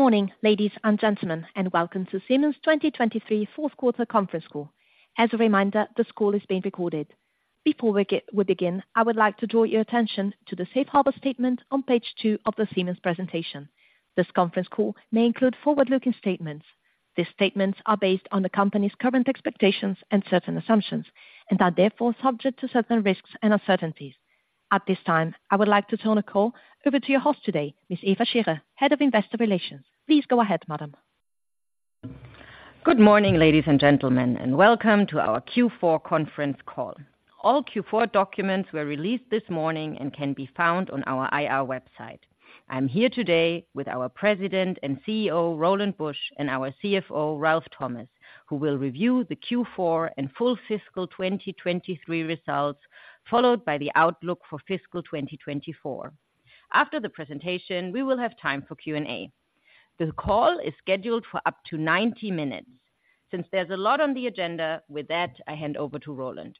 Good morning, ladies and gentlemen, and welcome to Siemens 2023 fourth quarter conference call. As a reminder, this call is being recorded. Before we begin, I would like to draw your attention to the safe harbor statement on page 2 of the Siemens presentation. This conference call may include forward-looking statements. These statements are based on the company's current expectations and certain assumptions and are therefore subject to certain risks and uncertainties. At this time, I would like to turn the call over to your host today, Ms. Eva Scherer, Head of Investor Relations. Please go ahead, madam. Good morning, ladies and gentlemen, and welcome to our Q4 conference call. All Q4 documents were released this morning and can be found on our IR website. I'm here today with our President and CEO, Roland Busch, and our CFO, Ralf Thomas, who will review the Q4 and full fiscal 2023 results, followed by the outlook for fiscal 2024. After the presentation, we will have time for Q&A. The call is scheduled for up to 90 minutes. Since there's a lot on the agenda, with that, I hand over to Roland.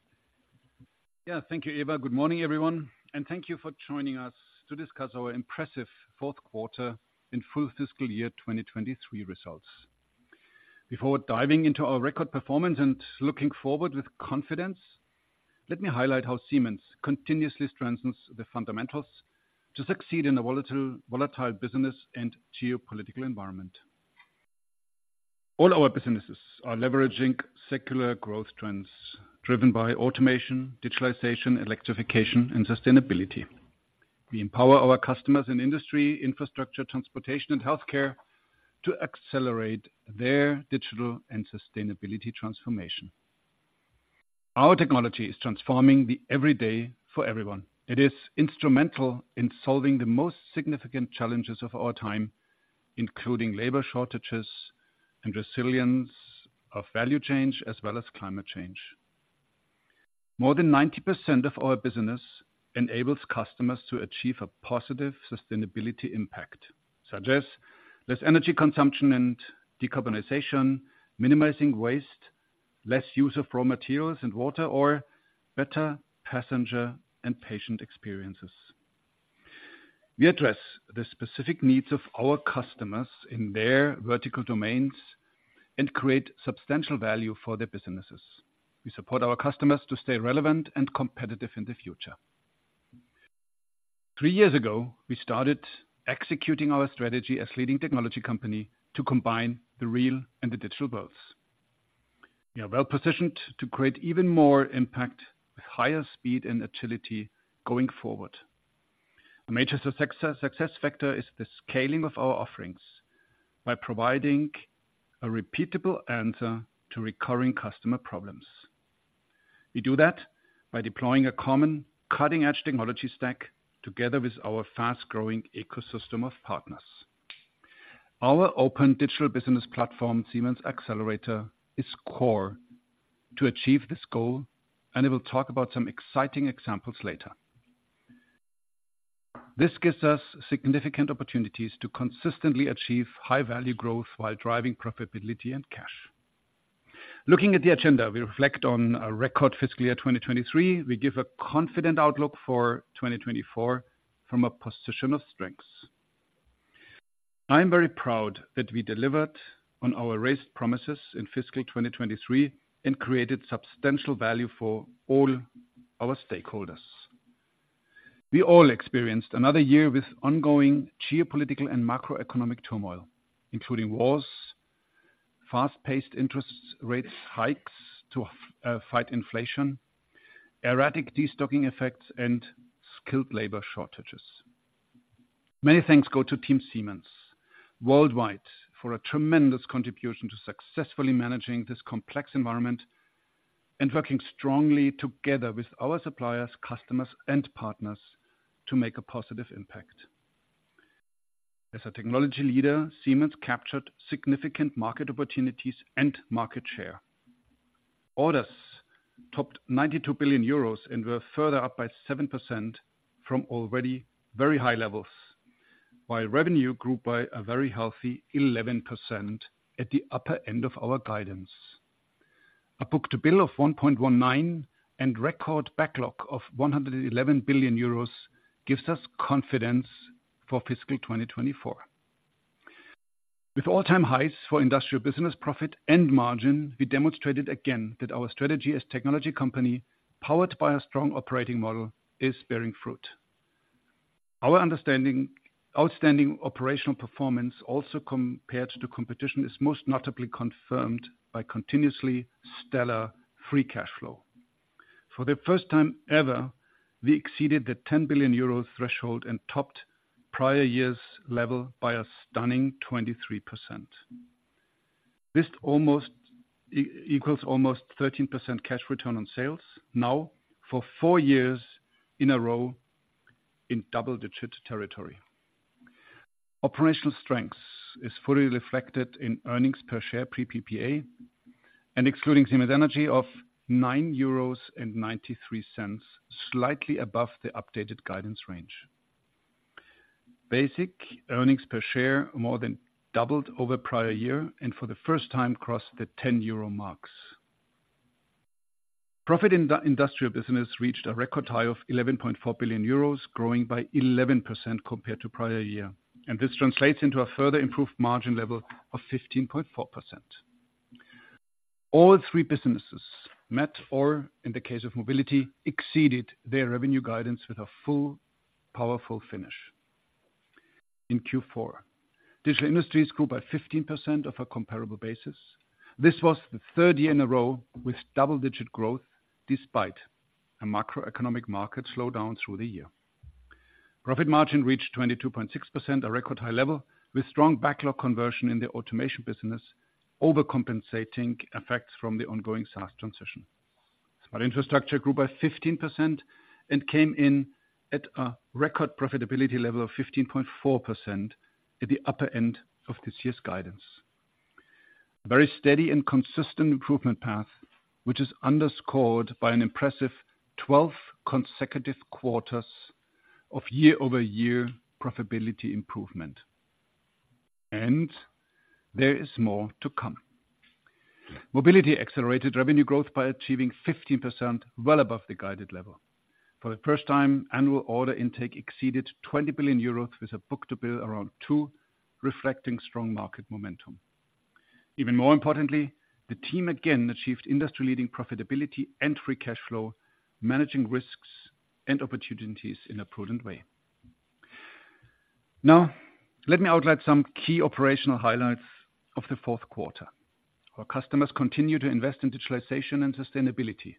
Yeah, thank you, Eva. Good morning, everyone, and thank you for joining us to discuss our impressive fourth quarter and full fiscal year 2023 results. Before diving into our record performance and looking forward with confidence, let me highlight how Siemens continuously strengthens the fundamentals to succeed in a volatile, volatile business and geopolitical environment. All our businesses are leveraging secular growth trends driven by automation, digitalization, electrification, and sustainability. We empower our customers in industry, infrastructure, transportation, and healthcare to accelerate their digital and sustainability transformation. Our technology is transforming the everyday for everyone. It is instrumental in solving the most significant challenges of our time, including labor shortages and resilience of value change, as well as climate change. More than 90% of our business enables customers to achieve a positive sustainability impact, such as less energy consumption and decarbonization, minimizing waste, less use of raw materials and water, or better passenger and patient experiences. We address the specific needs of our customers in their vertical domains and create substantial value for their businesses. We support our customers to stay relevant and competitive in the future. Three years ago, we started executing our strategy as leading technology company to combine the real and the digital worlds. We are well-positioned to create even more impact with higher speed and agility going forward. A major success factor is the scaling of our offerings by providing a repeatable answer to recurring customer problems. We do that by deploying a common cutting-edge technology stack together with our fast-growing ecosystem of partners. Our open digital business platform, Siemens Xcelerator, is core to achieve this goal, and I will talk about some exciting examples later. This gives us significant opportunities to consistently achieve high-value growth while driving profitability and cash. Looking at the agenda, we reflect on a record fiscal year 2023. We give a confident outlook for 2024 from a position of strength. I am very proud that we delivered on our raised promises in fiscal 2023 and created substantial value for all our stakeholders. We all experienced another year with ongoing geopolitical and macroeconomic turmoil, including wars, fast-paced interest rate hikes to fight inflation, erratic destocking effects, and skilled labor shortages. Many thanks go to Team Siemens worldwide for a tremendous contribution to successfully managing this complex environment and working strongly together with our suppliers, customers, and partners to make a positive impact. As a technology leader, Siemens captured significant market opportunities and market share. Orders topped 92 billion euros and were further up by 7% from already very high levels, while revenue grew by a very healthy 11% at the upper end of our guidance. A book-to-bill of 1.19 and record backlog of 111 billion euros gives us confidence for fiscal 2024. With all-time highs for industrial business profit and margin, we demonstrated again that our strategy as technology company, powered by a strong operating model, is bearing fruit. Our outstanding operational performance, also compared to competition, is most notably confirmed by continuously stellar free cash flow. For the first time ever, we exceeded the 10 billion euro threshold and topped prior years' level by a stunning 23%. This almost equals almost 13% cash return on sales, now for four years in a row in double-digit territory. Operational strength is fully reflected in earnings per share pre-PPA and excluding Siemens Energy of 9.93 euros, slightly above the updated guidance range. Basic earnings per share more than doubled over prior year and for the first time crossed the 10 euro mark. Profit in the industrial business reached a record high of 11.4 billion euros, growing by 11% compared to prior year, and this translates into a further improved margin level of 15.4%. All three businesses met, or in the case of Mobility, exceeded their revenue guidance with a full, powerful finish. In Q4, Digital Industries grew by 15% on a comparable basis. This was the third year in a row with double-digit growth, despite a macroeconomic market slowdown through the year. Profit margin reached 22.6%, a record high level, with strong backlog conversion in the automation business, overcompensating effects from the ongoing SaaS transition. But infrastructure grew by 15% and came in at a record profitability level of 15.4% at the upper end of this year's guidance. Very steady and consistent improvement path, which is underscored by an impressive 12 consecutive quarters of year-over-year profitability improvement. And there is more to come. Mobility accelerated revenue growth by achieving 15%, well above the guided level. For the first time, annual order intake exceeded 20 billion euros, with a book-to-bill around 2, reflecting strong market momentum. Even more importantly, the team again achieved industry-leading profitability and free cash flow, managing risks and opportunities in a prudent way. Now, let me outline some key operational highlights of the fourth quarter. Our customers continue to invest in digitalization and sustainability.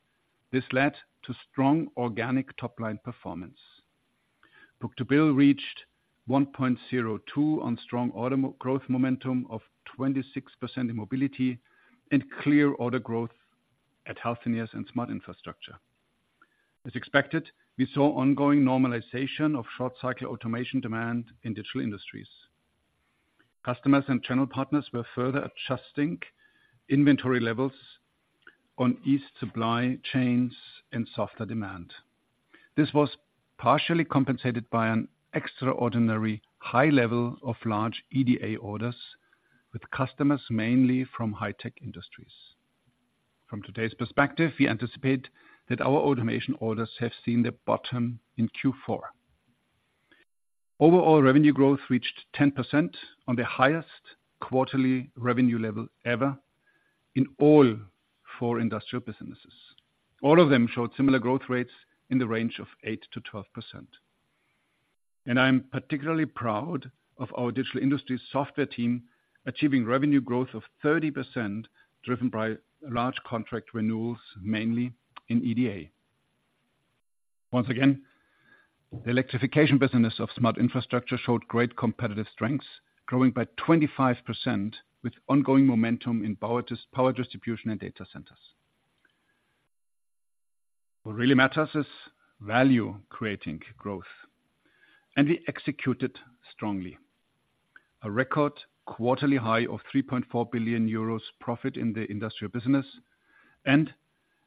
This led to strong organic top-line performance. Book-to-bill reached 1.02 on strong order growth momentum of 26% in Mobility, and clear order growth at Healthineers and Smart Infrastructure. As expected, we saw ongoing normalization of short-cycle automation demand in Digital Industries. Customers and channel partners were further adjusting inventory levels across supply chains and softer demand. This was partially compensated by an extraordinarily high level of large EDA orders, with customers mainly from high-tech industries. From today's perspective, we anticipate that our automation orders have seen the bottom in Q4. Overall, revenue growth reached 10% on the highest quarterly revenue level ever in all four industrial businesses. All of them showed similar growth rates in the range of 8%-12%. And I'm particularly proud of our Digital Industries software team, achieving revenue growth of 30%, driven by large contract renewals, mainly in EDA. Once again, the Electrification business of Smart Infrastructure showed great competitive strengths, growing by 25% with ongoing momentum in power distribution and Data Centers. What really matters is value creating growth, and we executed strongly. A record quarterly high of 3.4 billion euros profit in the industrial business, and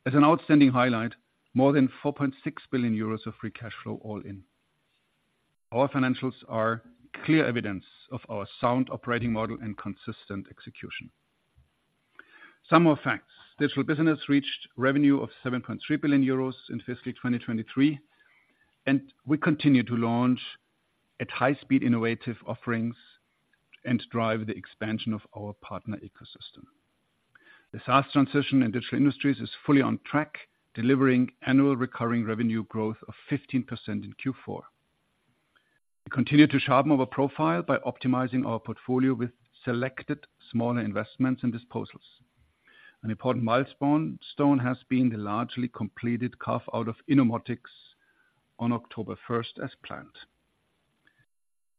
as an outstanding highlight, more than 4.6 billion euros of free cash flow all in. Our financials are clear evidence of our sound operating model and consistent execution. Some more facts. Digital business reached revenue of 7.3 billion euros in fiscal 2023, and we continue to launch at high speed innovative offerings and drive the expansion of our partner ecosystem. The SaaS transition in Digital Industries is fully on track, delivering annual recurring revenue growth of 15% in Q4. We continue to sharpen our profile by optimizing our portfolio with selected smaller investments and disposals. An important milestone has been the largely completed carve-out of Innomotics on October 1, as planned.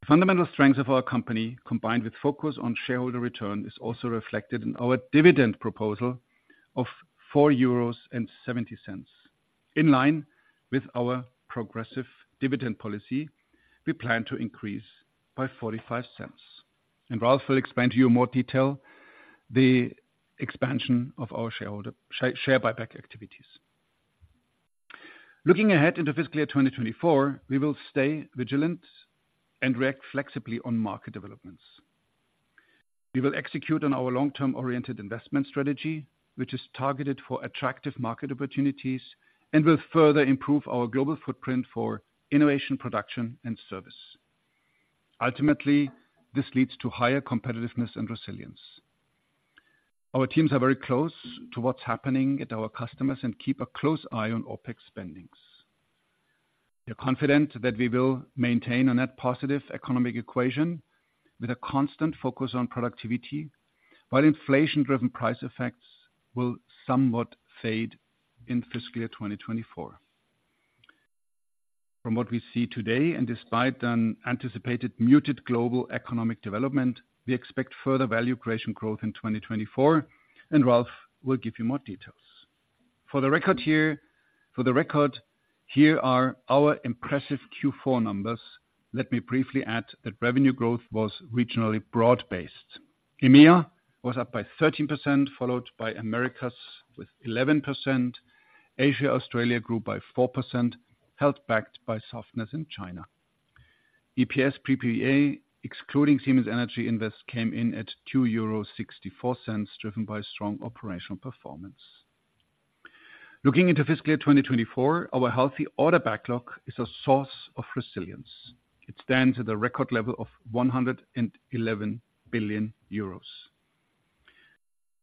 Fundamental strengths of our company, combined with focus on shareholder return, is also reflected in our dividend proposal of 4.70 euros. In line with our progressive dividend policy, we plan to increase by 0.45, and Ralf will explain to you in more detail the expansion of our share buyback activities. Looking ahead into fiscal year 2024, we will stay vigilant and react flexibly on market developments. We will execute on our long-term oriented investment strategy, which is targeted for attractive market opportunities, and will further improve our global footprint for innovation, production, and service. Ultimately, this leads to higher competitiveness and resilience. Our teams are very close to what's happening at our customers and keep a close eye on OpEx spendings. We are confident that we will maintain a net positive economic equation with a constant focus on productivity, while inflation-driven price effects will somewhat fade in fiscal year 2024. From what we see today, and despite an anticipated muted global economic development, we expect further value creation growth in 2024, and Ralf will give you more details. For the record here, for the record, here are our impressive Q4 numbers. Let me briefly add that revenue growth was regionally broad-based. EMEA was up by 13%, followed by Americas with 11%. Asia, Australia grew by 4%, held back by softness in China. EPS PPA, excluding Siemens Energy investment, came in at 2.64 euro, driven by strong operational performance. Looking into fiscal year 2024, our healthy order backlog is a source of resilience. It stands at a record level of 111 billion euros.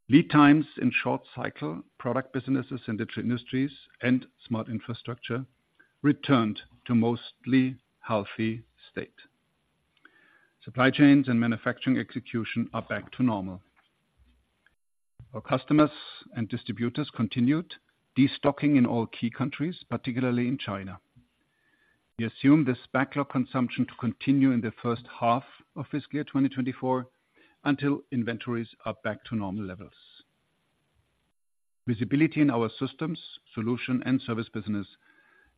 Lead times in short cycle product businesses in Digital Industries and Smart Infrastructure returned to mostly healthy state. Supply chains and manufacturing execution are back to normal. Our customers and distributors continued destocking in all key countries, particularly in China. We assume this backlog consumption to continue in the first half of fiscal year 2024, until inventories are back to normal levels. Visibility in our systems, solution, and service business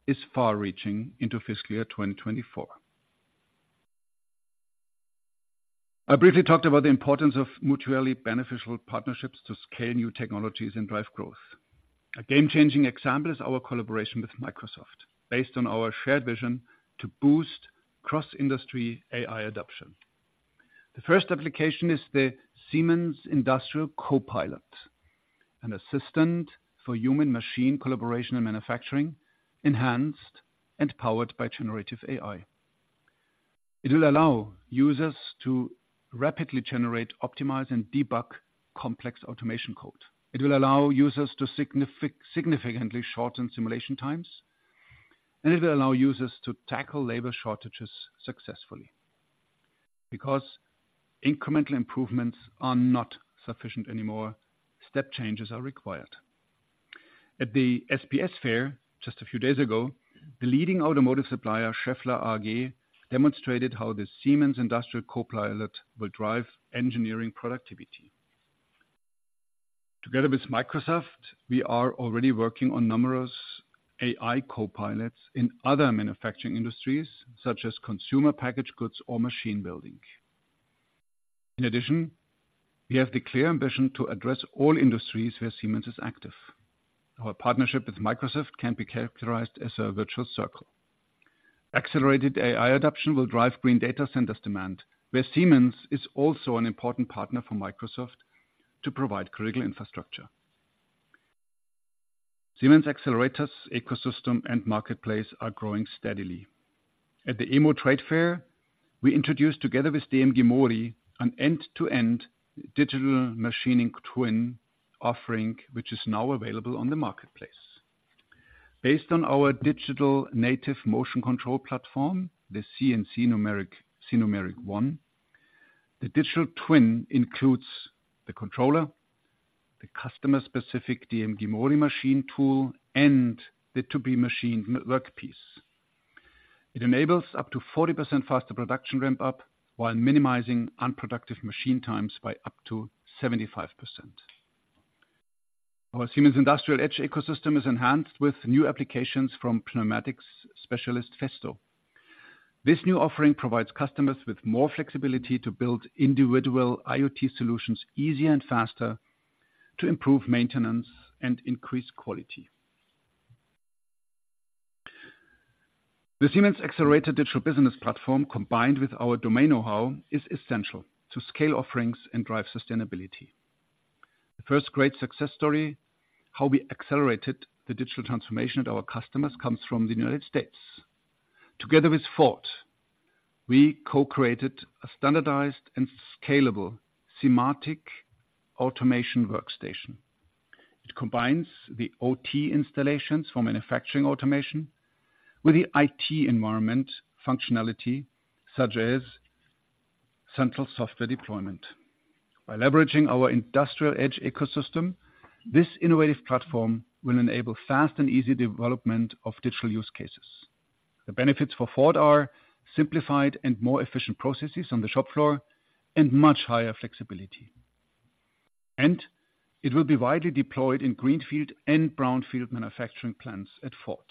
is far-reaching into fiscal year 2024. I briefly talked about the importance of mutually beneficial partnerships to scale new technologies and drive growth. A game-changing example is our collaboration with Microsoft, based on our shared vision to boost cross-industry AI adoption. The first application is the Siemens Industrial Copilot, an assistant for human machine collaboration and manufacturing, enhanced and powered by generative AI. It will allow users to rapidly generate, optimize, and debug complex automation code. It will allow users to significantly shorten simulation times, and it will allow users to tackle labor shortages successfully. Because incremental improvements are not sufficient anymore, step changes are required. At the SPS Fair, just a few days ago, the leading automotive supplier, Schaeffler AG, demonstrated how the Siemens Industrial Copilot will drive engineering productivity. Together with Microsoft, we are already working on numerous AI copilots in other manufacturing industries, such as consumer packaged goods or machine building. In addition, we have the clear ambition to address all industries where Siemens is active. Our partnership with Microsoft can be characterized as a virtuous circle. Accelerated AI adoption will drive green data centers demand, where Siemens is also an important partner for Microsoft to provide critical infrastructure. Siemens accelerators, ecosystem, and marketplace are growing steadily. At the EMO Trade Fair, we introduced, together with DMG MORI, an end-to-end digital machining twin offering, which is now available on the marketplace. Based on our digital native motion control platform, the SINUMERIK ONE, the digital twin includes the controller, the customer-specific DMG MORI machine tool, and the to-be-machined workpiece. It enables up to 40% faster production ramp-up, while minimizing unproductive machine times by up to 75%. Our Siemens Industrial Edge ecosystem is enhanced with new applications from pneumatics specialist, Festo. This new offering provides customers with more flexibility to build individual IoT solutions easier and faster, to improve maintenance and increase quality. The Siemens Xcelerator, combined with our domain know-how, is essential to scale offerings and drive sustainability. The first great success story, how we accelerated the digital transformation at our customers, comes from the United States. Together with Ford, we co-created a standardized and scalable SIMATIC automation workstation. It combines the OT installations for manufacturing automation with the IT environment functionality, such as central software deployment. By leveraging our Industrial Edge ecosystem, this innovative platform will enable fast and easy development of digital use cases. The benefits for Ford are simplified and more efficient processes on the shop floor, and much higher flexibility. It will be widely deployed in greenfield and brownfield manufacturing plants at Ford.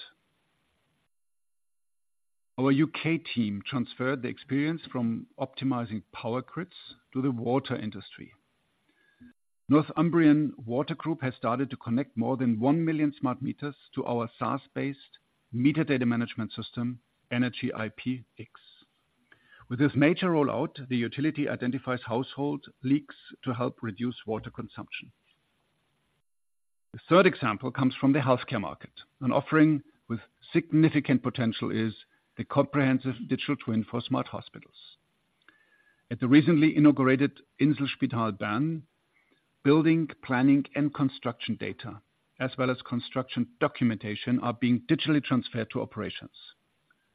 Our UK team transferred the experience from optimizing power grids to the water industry. Northumbrian Water Group has started to connect more than 1 million smart meters to our SaaS-based meter data management system, Energy IP. With this major rollout, the utility identifies household leaks to help reduce water consumption. The third example comes from the healthcare market. An offering with significant potential is the comprehensive digital twin for smart hospitals. At the recently inaugurated Inselspital Bern, building, planning, and construction data, as well as construction documentation, are being digitally transferred to operations.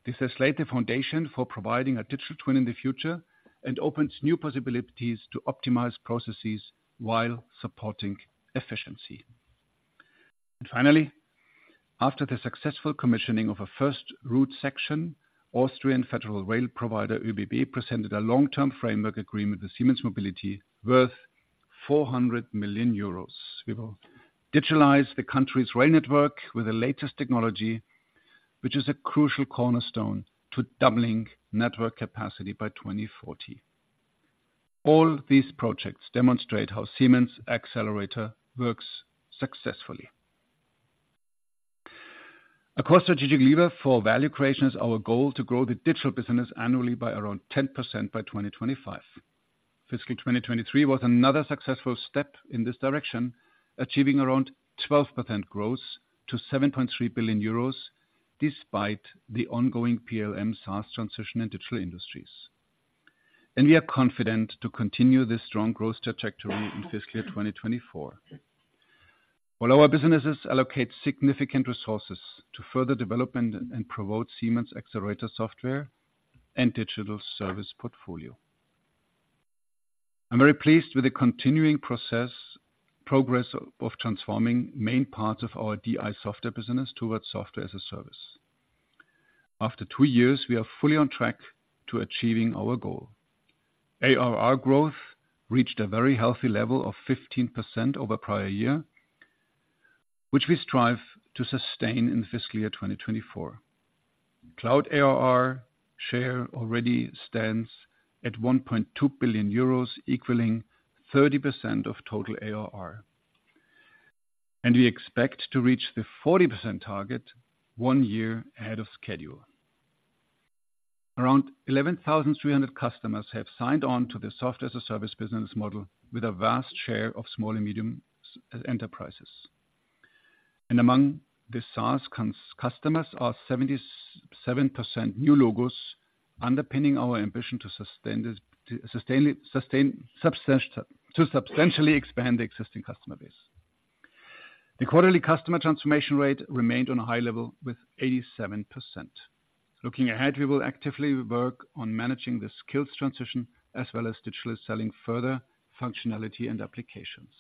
This has laid the foundation for providing a digital twin in the future and opens new possibilities to optimize processes while supporting efficiency. And finally, after the successful commissioning of a first route section, Austrian federal rail provider, ÖBB, presented a long-term framework agreement with Siemens Mobility worth 400 million euros. We will digitalize the country's rail network with the latest technology, which is a crucial cornerstone to doubling network capacity by 2040. All these projects demonstrate how Siemens Accelerator works successfully.... A core strategic lever for value creation is our goal to grow the digital business annually by around 10% by 2025. Fiscal 2023 was another successful step in this direction, achieving around 12% growth to 7.3 billion euros, despite the ongoing PLM SaaS transition in Digital Industries. And we are confident to continue this strong growth trajectory in fiscal year 2024. While our businesses allocate significant resources to further develop and promote Siemens Accelerator software and digital service portfolio. I'm very pleased with the continuing progress of transforming main parts of our DI software business towards software as a service. After two years, we are fully on track to achieving our goal. ARR growth reached a very healthy level of 15% over prior year, which we strive to sustain in fiscal year 2024. Cloud ARR share already stands at 1.2 billion euros, equaling 30% of total ARR, and we expect to reach the 40% target one year ahead of schedule. Around 11,300 customers have signed on to the software as a service business model with a vast share of small and medium enterprises. Among the SaaS customers, 77% are new logos, underpinning our ambition to sustain this, to substantially expand the existing customer base. The quarterly customer transformation rate remained on a high level with 87%. Looking ahead, we will actively work on managing the skills transition, as well as digitally selling further functionality and applications.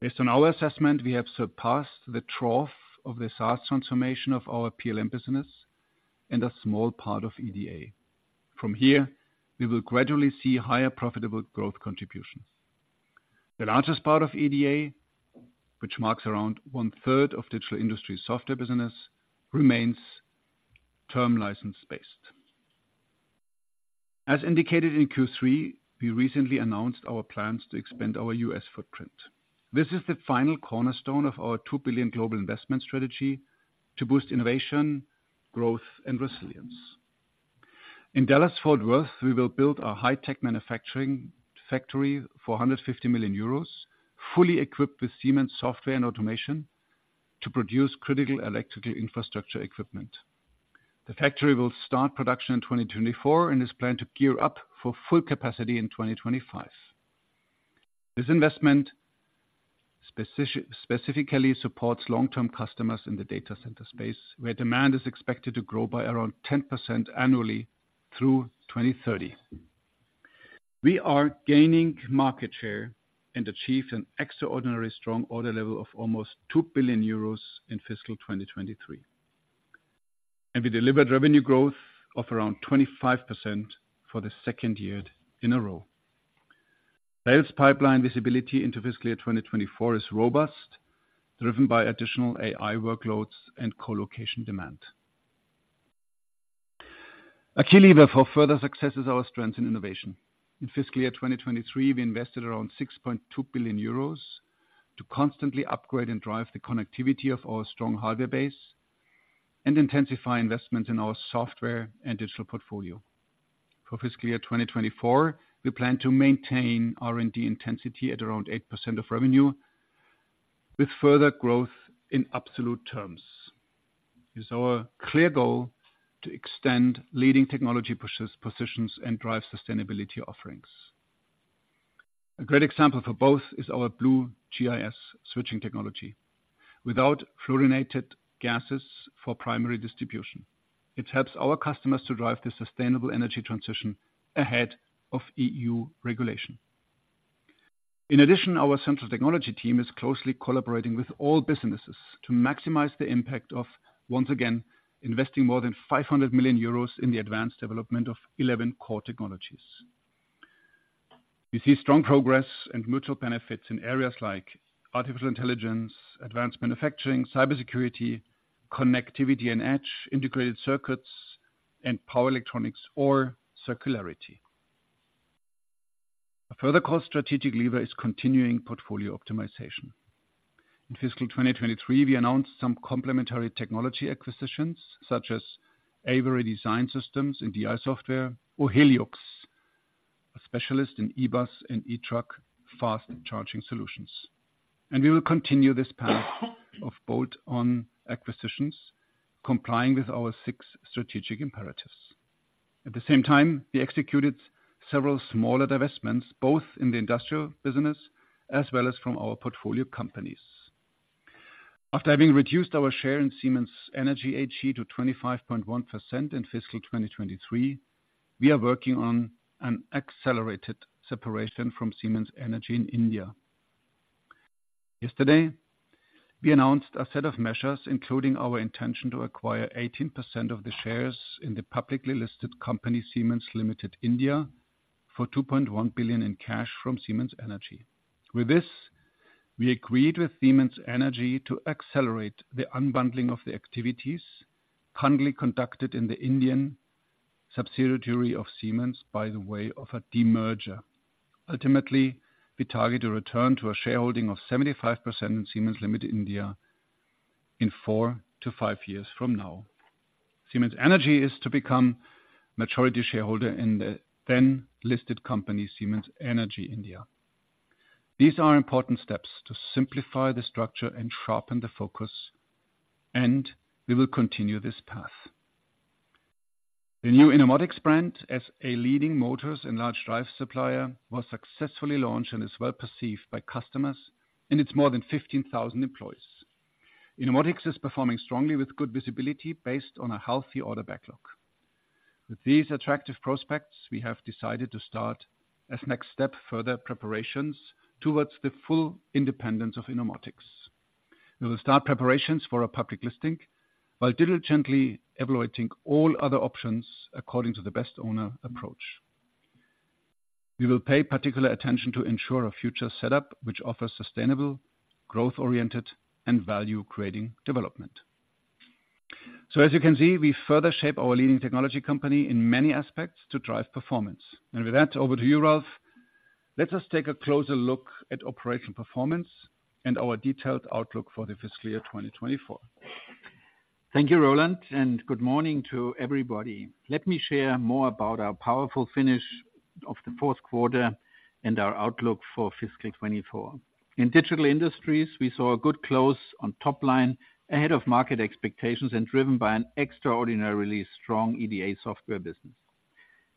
Based on our assessment, we have surpassed the trough of the SaaS transformation of our PLM business and a small part of EDA. From here, we will gradually see higher profitable growth contributions. The largest part of EDA, which marks around one-third of digital industry software business, remains term license-based. As indicated in Q3, we recently announced our plans to expand our U.S. footprint. This is the final cornerstone of our 2 billion global investment strategy to boost innovation, growth, and resilience. In Dallas-Fort Worth, we will build a high-tech manufacturing factory for 150 million euros, fully equipped with Siemens software and automation, to produce critical electrical infrastructure equipment. The factory will start production in 2024 and is planned to gear up for full capacity in 2025. This investment specifically supports long-term customers in the data center space, where demand is expected to grow by around 10% annually through 2030. We are gaining market share and achieved an extraordinary strong order level of almost 2 billion euros in fiscal 2023, and we delivered revenue growth of around 25% for the second year in a row. Sales pipeline visibility into fiscal year 2024 is robust, driven by additional AI workloads and co-location demand. A key lever for further success is our strength in innovation. In fiscal year 2023, we invested around 6.2 billion euros to constantly upgrade and drive the connectivity of our strong hardware base and intensify investment in our software and digital portfolio. For fiscal year 2024, we plan to maintain R&D intensity at around 8% of revenue, with further growth in absolute terms. It's our clear goal to extend leading technology pushes, positions, and drive sustainability offerings. A great example for both is our blue GIS switching technology. Without fluorinated gases for primary distribution, it helps our customers to drive the sustainable energy transition ahead of EU regulation. In addition, our central technology team is closely collaborating with all businesses to maximize the impact of, once again, investing more than 500 million euros in the advanced development of 11 core technologies. We see strong progress and mutual benefits in areas like artificial intelligence, advanced manufacturing, cybersecurity, connectivity and edge, integrated circuits, and power electronics or circularity. A further core strategic lever is continuing portfolio optimization. In fiscal 2023, we announced some complementary technology acquisitions, such as Avery Design Systems in DI software, or Heliox, a specialist in eBus and eTruck fast charging solutions. We will continue this path of bolt-on acquisitions, complying with our six strategic imperatives. At the same time, we executed several smaller divestments, both in the industrial business as well as from our portfolio companies. After having reduced our share in Siemens Energy AG to 25.1% in fiscal 2023, we are working on an accelerated separation from Siemens Energy in India. Yesterday, we announced a set of measures, including our intention to acquire 18% of the shares in the publicly listed company, Siemens Limited India, for 2.1 billion in cash from Siemens Energy. With this, we agreed with Siemens Energy to accelerate the unbundling of the activities currently conducted in the Indian-... subsidiary of Siemens by way of a demerger. Ultimately, we target a return to a shareholding of 75% in Siemens Limited India in 4 to 5 years from now. Siemens Energy is to become majority shareholder in the then-listed company, Siemens Energy India. These are important steps to simplify the structure and sharpen the focus, and we will continue this path. The new Innomotics brand, as a leading motors and large drive supplier, was successfully launched and is well-perceived by customers and its more than 15,000 employees. Innomotics is performing strongly with good visibility, based on a healthy order backlog. With these attractive prospects, we have decided to start, as next step, further preparations towards the full independence of Innomotics. We will start preparations for a public listing, while diligently evaluating all other options according to the best owner approach. We will pay particular attention to ensure a future setup which offers sustainable, growth-oriented, and value-creating development. So as you can see, we further shape our leading technology company in many aspects to drive performance. With that, over to you, Ralf. Let us take a closer look at operational performance and our detailed outlook for the fiscal year 2024. Thank you, Roland, and good morning to everybody. Let me share more about our powerful finish of the fourth quarter and our outlook for fiscal 2024. In Digital Industries, we saw a good close on top line, ahead of market expectations and driven by an extraordinarily strong EDA software business.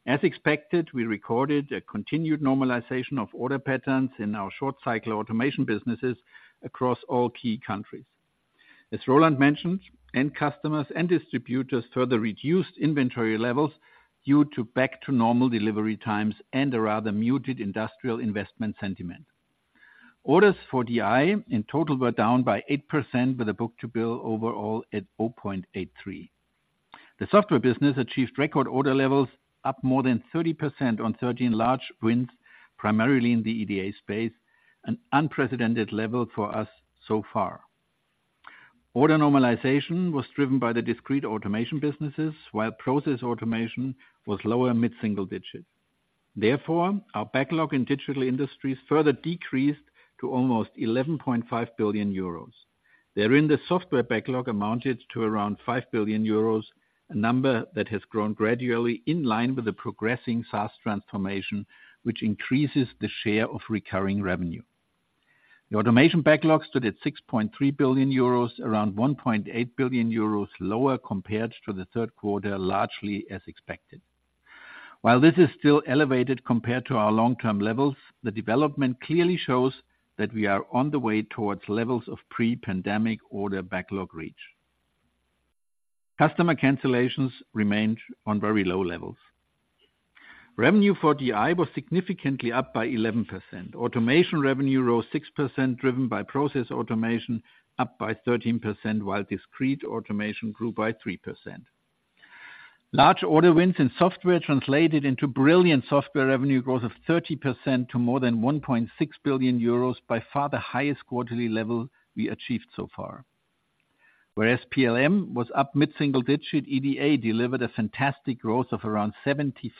As expected, we recorded a continued normalization of order patterns in our short-cycle automation businesses across all key countries. As Roland mentioned, end customers and distributors further reduced inventory levels due to back-to-normal delivery times and a rather muted industrial investment sentiment. Orders for DI in total were down by 8%, with a book-to-bill overall at 0.83. The software business achieved record order levels up more than 30% on 13 large wins, primarily in the EDA space, an unprecedented level for us so far. Order normalization was driven by the discrete automation businesses, while process automation was lower mid-single digits. Therefore, our backlog in Digital Industries further decreased to almost 11.5 billion euros. Therein, the software backlog amounted to around 5 billion euros, a number that has grown gradually in line with the progressing SaaS transformation, which increases the share of recurring revenue. The automation backlog stood at 6.3 billion euros, around 1.8 billion euros lower compared to the third quarter, largely as expected. While this is still elevated compared to our long-term levels, the development clearly shows that we are on the way towards levels of pre-pandemic order backlog reach. Customer cancellations remained on very low levels. Revenue for DI was significantly up by 11%. Automation revenue rose 6%, driven by process automation, up by 13%, while discrete automation grew by 3%. Large order wins in software translated into brilliant software revenue growth of 30% to more than 1.6 billion euros, by far the highest quarterly level we achieved so far. Whereas PLM was up mid-single digits, EDA delivered a fantastic growth of around 75%.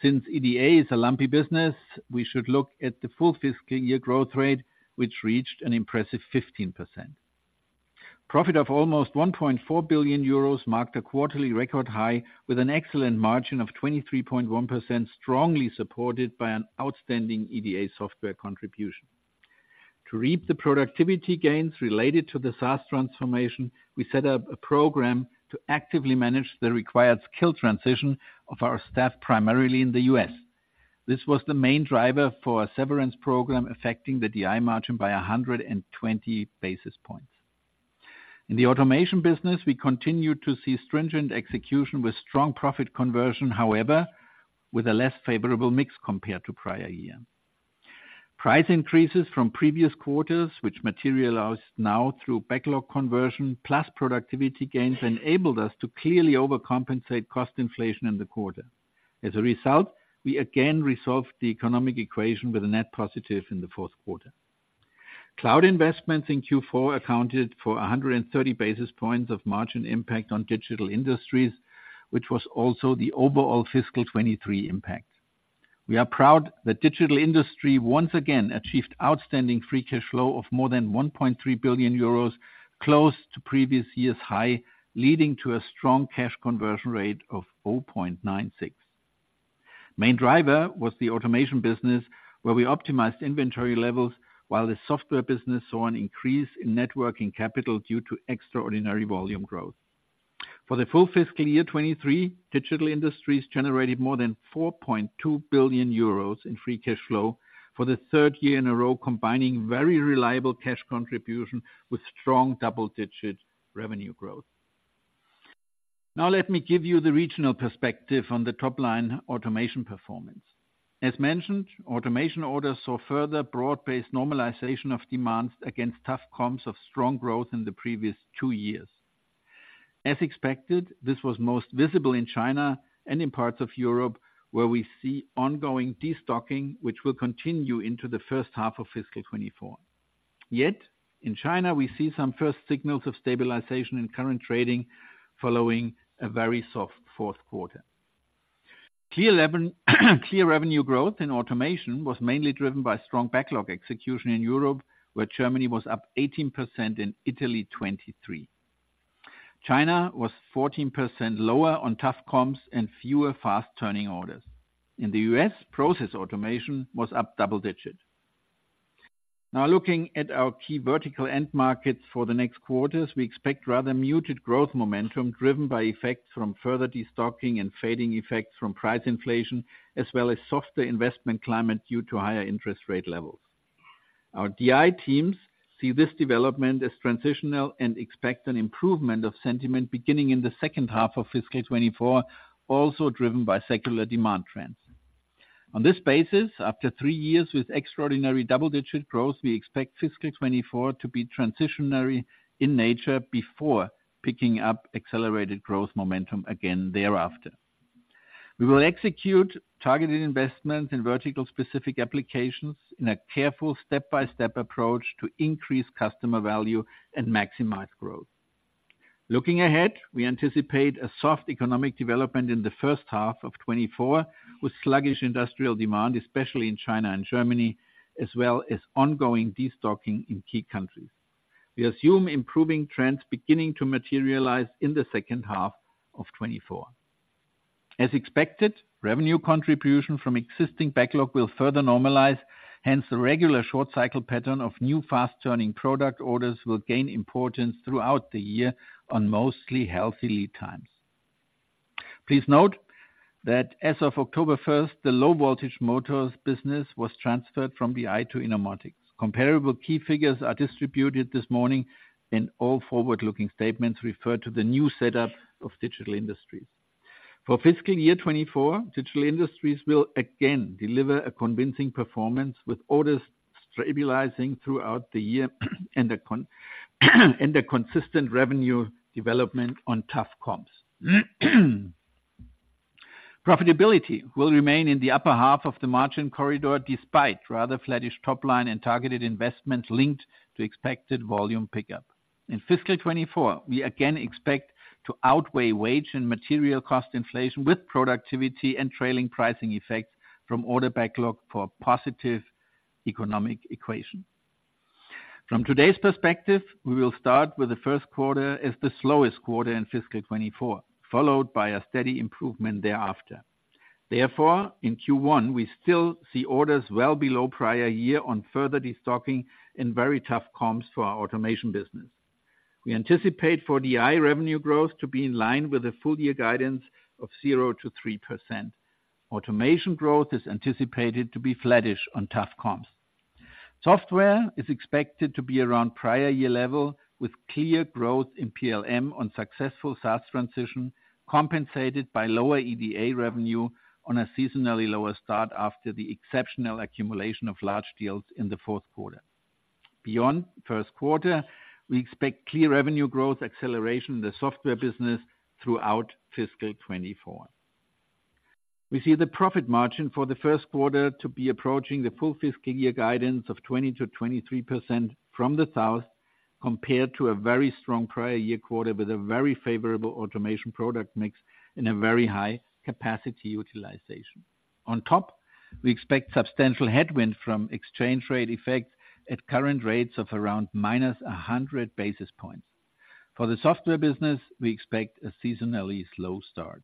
Since EDA is a lumpy business, we should look at the full fiscal year growth rate, which reached an impressive 15%. Profit of almost 1.4 billion euros marked a quarterly record high with an excellent margin of 23.1%, strongly supported by an outstanding EDA software contribution. To reap the productivity gains related to the SaaS transformation, we set up a program to actively manage the required skill transition of our staff, primarily in the US. This was the main driver for a severance program affecting the DI margin by 120 basis points. In the automation business, we continued to see stringent execution with strong profit conversion, however, with a less favorable mix compared to prior year. Price increases from previous quarters, which materialize now through backlog conversion, plus productivity gains, enabled us to clearly overcompensate cost inflation in the quarter. As a result, we again resolved the economic equation with a net positive in the fourth quarter. Cloud investments in Q4 accounted for 130 basis points of margin impact on Digital Industries, which was also the overall fiscal 2023 impact. We are proud that Digital Industries once again achieved outstanding free cash flow of more than 1.3 billion euros, close to previous year's high, leading to a strong cash conversion rate of 0.96. Main driver was the automation business, where we optimized inventory levels, while the software business saw an increase in net working capital due to extraordinary volume growth. For the full fiscal year 2023, Digital Industries generated more than 4.2 billion euros in free cash flow for the third year in a row, combining very reliable cash contribution with strong double-digit revenue growth. Now let me give you the regional perspective on the top-line automation performance. As mentioned, automation orders saw further broad-based normalization of demands against tough comps of strong growth in the previous two years. As expected, this was most visible in China and in parts of Europe, where we see ongoing destocking, which will continue into the first half of fiscal 2024.... Yet, in China, we see some first signals of stabilization in current trading following a very soft fourth quarter. Clear level, clear revenue growth in automation was mainly driven by strong backlog execution in Europe, where Germany was up 18%, in Italy, 23%. China was 14% lower on tough comps and fewer fast-turning orders. In the U.S., process automation was up double-digit. Now looking at our key vertical end markets for the next quarters, we expect rather muted growth momentum, driven by effects from further destocking and fading effects from price inflation, as well as softer investment climate due to higher interest rate levels. Our DI teams see this development as transitional and expect an improvement of sentiment beginning in the second half of fiscal 2024, also driven by secular demand trends. On this basis, after 3 years with extraordinary double-digit growth, we expect fiscal 2024 to be transitional in nature before picking up accelerated growth momentum again thereafter. We will execute targeted investments in vertical specific applications in a careful step-by-step approach to increase customer value and maximize growth. Looking ahead, we anticipate a soft economic development in the first half of 2024, with sluggish industrial demand, especially in China and Germany, as well as ongoing destocking in key countries. We assume improving trends beginning to materialize in the second half of 2024. As expected, revenue contribution from existing backlog will further normalize, hence, the regular short cycle pattern of new fast-turning product orders will gain importance throughout the year on mostly healthy lead times. Please note that as of October 1, the low-voltage motors business was transferred from DI to Innomotics. Comparable key figures are distributed this morning, and all forward-looking statements refer to the new setup of Digital Industries. For fiscal year 2024, Digital Industries will again deliver a convincing performance with orders stabilizing throughout the year and constant and consistent revenue development on tough comps. Profitability will remain in the upper half of the margin corridor, despite rather flattish top line and targeted investments linked to expected volume pickup. In fiscal 2024, we again expect to outweigh wage and material cost inflation with productivity and trailing pricing effects from order backlog for positive economic equation. From today's perspective, we will start with the first quarter as the slowest quarter in fiscal 2024, followed by a steady improvement thereafter. Therefore, in Q1, we still see orders well below prior year on further destocking and very tough comps for our automation business. We anticipate for DI revenue growth to be in line with the full year guidance of 0% to 3%. Automation growth is anticipated to be flattish on tough comps. Software is expected to be around prior year level, with clear growth in PLM on successful SaaS transition, compensated by lower EDA revenue on a seasonally lower start after the exceptional accumulation of large deals in the fourth quarter. Beyond first quarter, we expect clear revenue growth acceleration in the software business throughout fiscal 2024. We see the profit margin for the first quarter to be approaching the full fiscal year guidance of 20%-23% from below, compared to a very strong prior year quarter, with a very favorable automation product mix and a very high capacity utilization. On top, we expect substantial headwind from exchange rate effect at current rates of around -100 basis points. For the software business, we expect a seasonally slow start.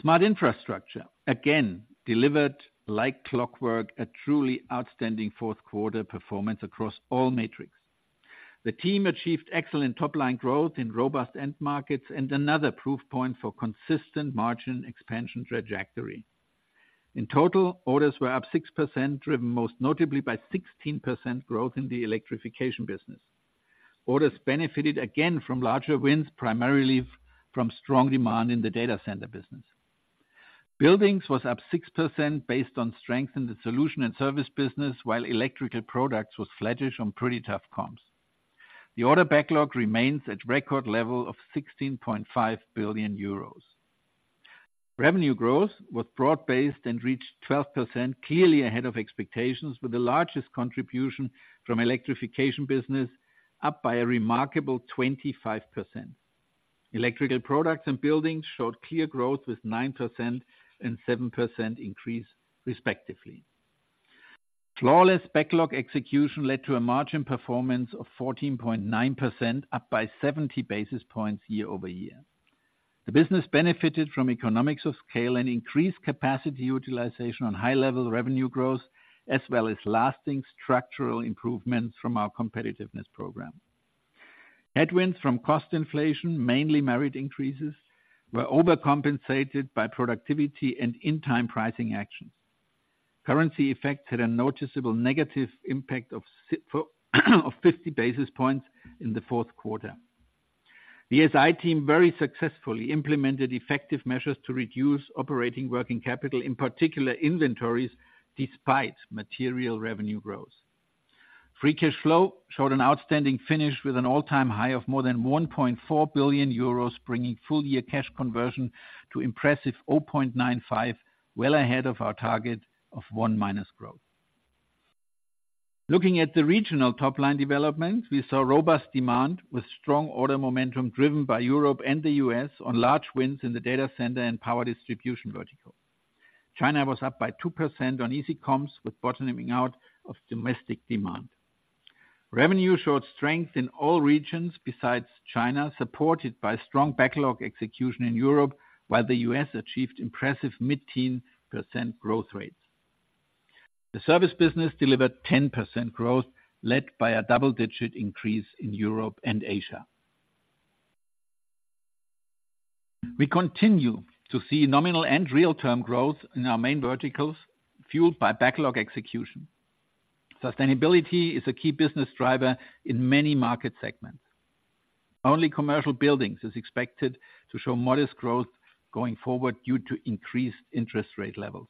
Smart Infrastructure, again, delivered like clockwork, a truly outstanding fourth quarter performance across all metrics. The team achieved excellent top-line growth in robust end markets and another proof point for consistent margin expansion trajectory. In total, orders were up 6%, driven most notably by 16% growth in the Electrification business. Orders benefited again from larger wins, primarily from strong demand in the data center business. Buildings was up 6% based on strength in the solution and service business, while electrical products was flattish on pretty tough comps. The order backlog remains at record level of 16.5 billion euros. Revenue growth was broad-based and reached 12%, clearly ahead of expectations, with the largest contribution from Electrification business up by a remarkable 25%. Electrical products and buildings showed clear growth with 9% and 7% increase, respectively. Flawless backlog execution led to a margin performance of 14.9%, up by 70 basis points year-over-year. The business benefited from economies of scale and increased capacity utilization on high-level revenue growth, as well as lasting structural improvements from our competitiveness program. Headwinds from cost inflation, mainly wage increases, were overcompensated by productivity and in-time pricing actions. Currency effects had a noticeable negative impact of fifty basis points in the fourth quarter. The SI team very successfully implemented effective measures to reduce operating working capital, in particular, inventories, despite material revenue growth. Free cash flow showed an outstanding finish with an all-time high of more than 1.4 billion euros, bringing full-year cash conversion to impressive 0.95, well ahead of our target of one minus growth. Looking at the regional top-line development, we saw robust demand with strong order momentum driven by Europe and the U.S. on large wins in the data center and power distribution vertical. China was up by 2% on easy comps, with bottoming out of domestic demand. Revenue showed strength in all regions besides China, supported by strong backlog execution in Europe, while the U.S. achieved impressive mid-teen % growth rates. The service business delivered 10% growth, led by a double-digit increase in Europe and Asia. We continue to see nominal and real-term growth in our main verticals, fueled by backlog execution. Sustainability is a key business driver in many market segments. Only commercial buildings is expected to show modest growth going forward due to increased interest rate levels.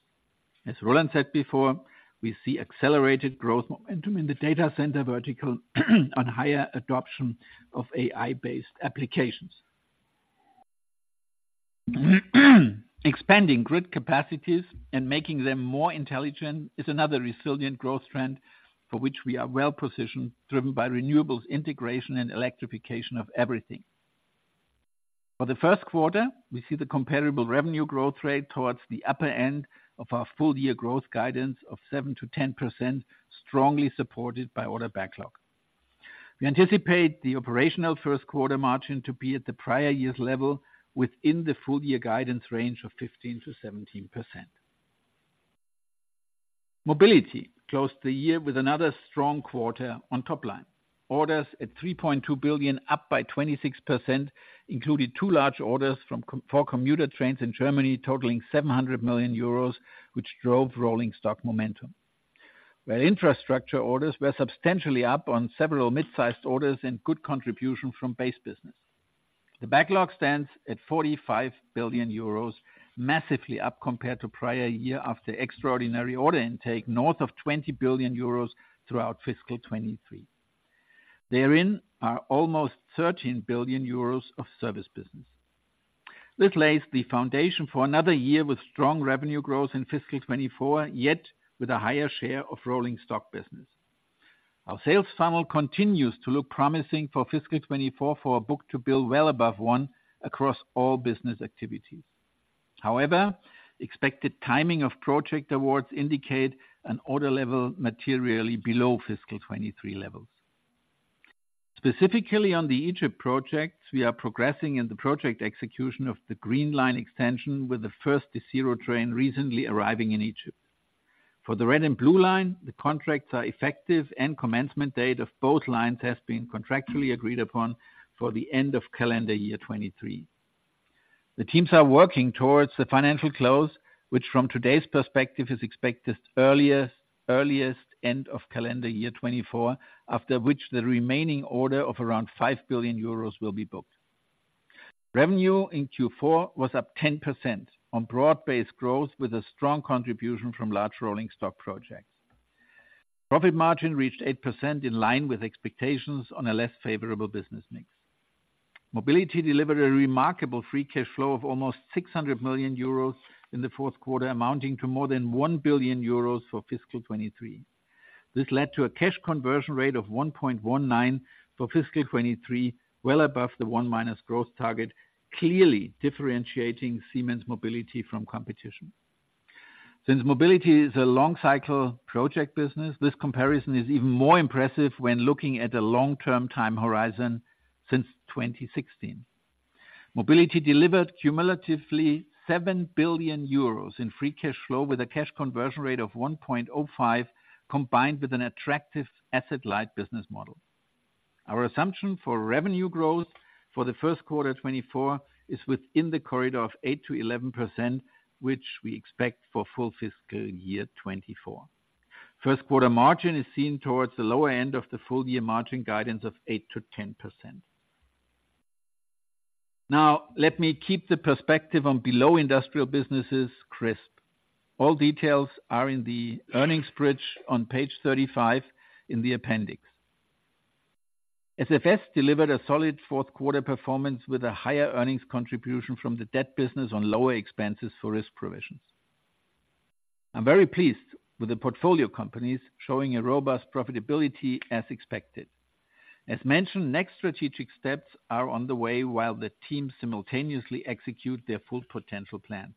As Roland said before, we see accelerated growth momentum in the data center vertical on higher adoption of AI-based applications. Expanding grid capacities and making them more intelligent is another resilient growth trend for which we are well positioned, driven by renewables integration and electrification of everything. For the first quarter, we see the comparable revenue growth rate towards the upper end of our full-year growth guidance of 7%-10%, strongly supported by order backlog. We anticipate the operational first quarter margin to be at the prior year's level, within the full-year guidance range of 15% to 17%. Mobility closed the year with another strong quarter on top line. Orders at 3.2 billion, up by 26%, included two large orders from four commuter trains in Germany, totaling 700 million euros, which drove rolling stock momentum. While infrastructure orders were substantially up on several mid-sized orders and good contribution from base business. The backlog stands at 45 billion euros, massively up compared to prior year after extraordinary order intake north of 20 billion euros throughout fiscal 2023. Therein are almost 13 billion euros of service business. This lays the foundation for another year with strong revenue growth in fiscal 2024, yet with a higher share of rolling stock business. Our sales funnel continues to look promising for fiscal 2024 for a book-to-bill well above 1 across all business activities. However, expected timing of project awards indicate an order level materially below fiscal 2023 levels. Specifically on the Egypt projects, we are progressing in the project execution of the Green Line extension, with the first Desiro train recently arriving in Egypt. For the Red and Blue line, the contracts are effective, and commencement date of both lines has been contractually agreed upon for the end of calendar year 2023. The teams are working towards the financial close, which, from today's perspective, is expected earliest, earliest end of calendar year 2024, after which the remaining order of around 5 billion euros will be booked. Revenue in Q4 was up 10% on broad-based growth, with a strong contribution from large rolling stock projects. Profit margin reached 8%, in line with expectations on a less favorable business mix. Mobility delivered a remarkable free cash flow of almost 600 million euros in the fourth quarter, amounting to more than 1 billion euros for fiscal 2023. This led to a cash conversion rate of 1.19 for fiscal 2023, well above the 1x growth target, clearly differentiating Siemens Mobility from competition. Since Mobility is a long cycle project business, this comparison is even more impressive when looking at a long-term time horizon since 2016. Mobility delivered cumulatively 7 billion euros in free cash flow, with a cash conversion rate of 1.05, combined with an attractive asset-light business model. Our assumption for revenue growth for the first quarter 2024 is within the corridor of 8% to 11%, which we expect for full fiscal year 2024. First quarter margin is seen towards the lower end of the full-year margin guidance of 8% to 10%. Now, let me keep the perspective on below industrial businesses crisp. All details are in the earnings bridge on page 35 in the appendix. SFS delivered a solid fourth quarter performance with a higher earnings contribution from the debt business on lower expenses for risk provisions. I'm very pleased with the portfolio companies showing a robust profitability as expected. As mentioned, next strategic steps are on the way, while the teams simultaneously execute their full potential plans.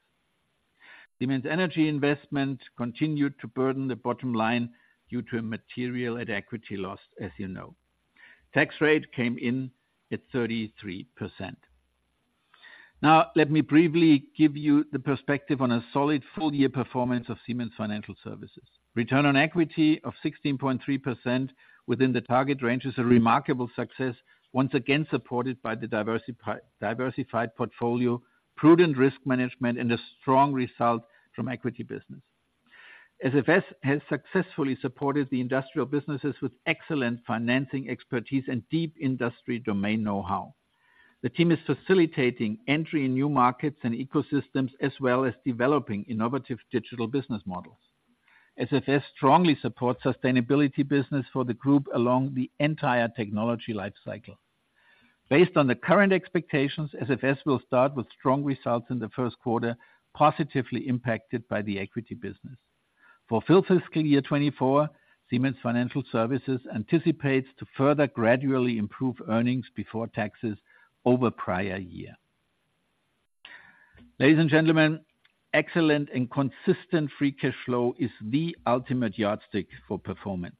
Siemens Energy investment continued to burden the bottom line due to a material at equity loss, as you know. Tax rate came in at 33%. Now, let me briefly give you the perspective on a solid full-year performance of Siemens Financial Services. Return on equity of 16.3% within the target range is a remarkable success, once again supported by the diversified portfolio, prudent risk management, and a strong result from equity business. SFS has successfully supported the industrial businesses with excellent financing, expertise, and deep industry domain know-how. The team is facilitating entry in new markets and ecosystems, as well as developing innovative digital business models. SFS strongly supports sustainability business for the group along the entire technology life cycle. Based on the current expectations, SFS will start with strong results in the first quarter, positively impacted by the equity business. For full fiscal year 2024, Siemens Financial Services anticipates to further gradually improve earnings before taxes over prior year. Ladies and gentlemen, excellent and consistent free cash flow is the ultimate yardstick for performance.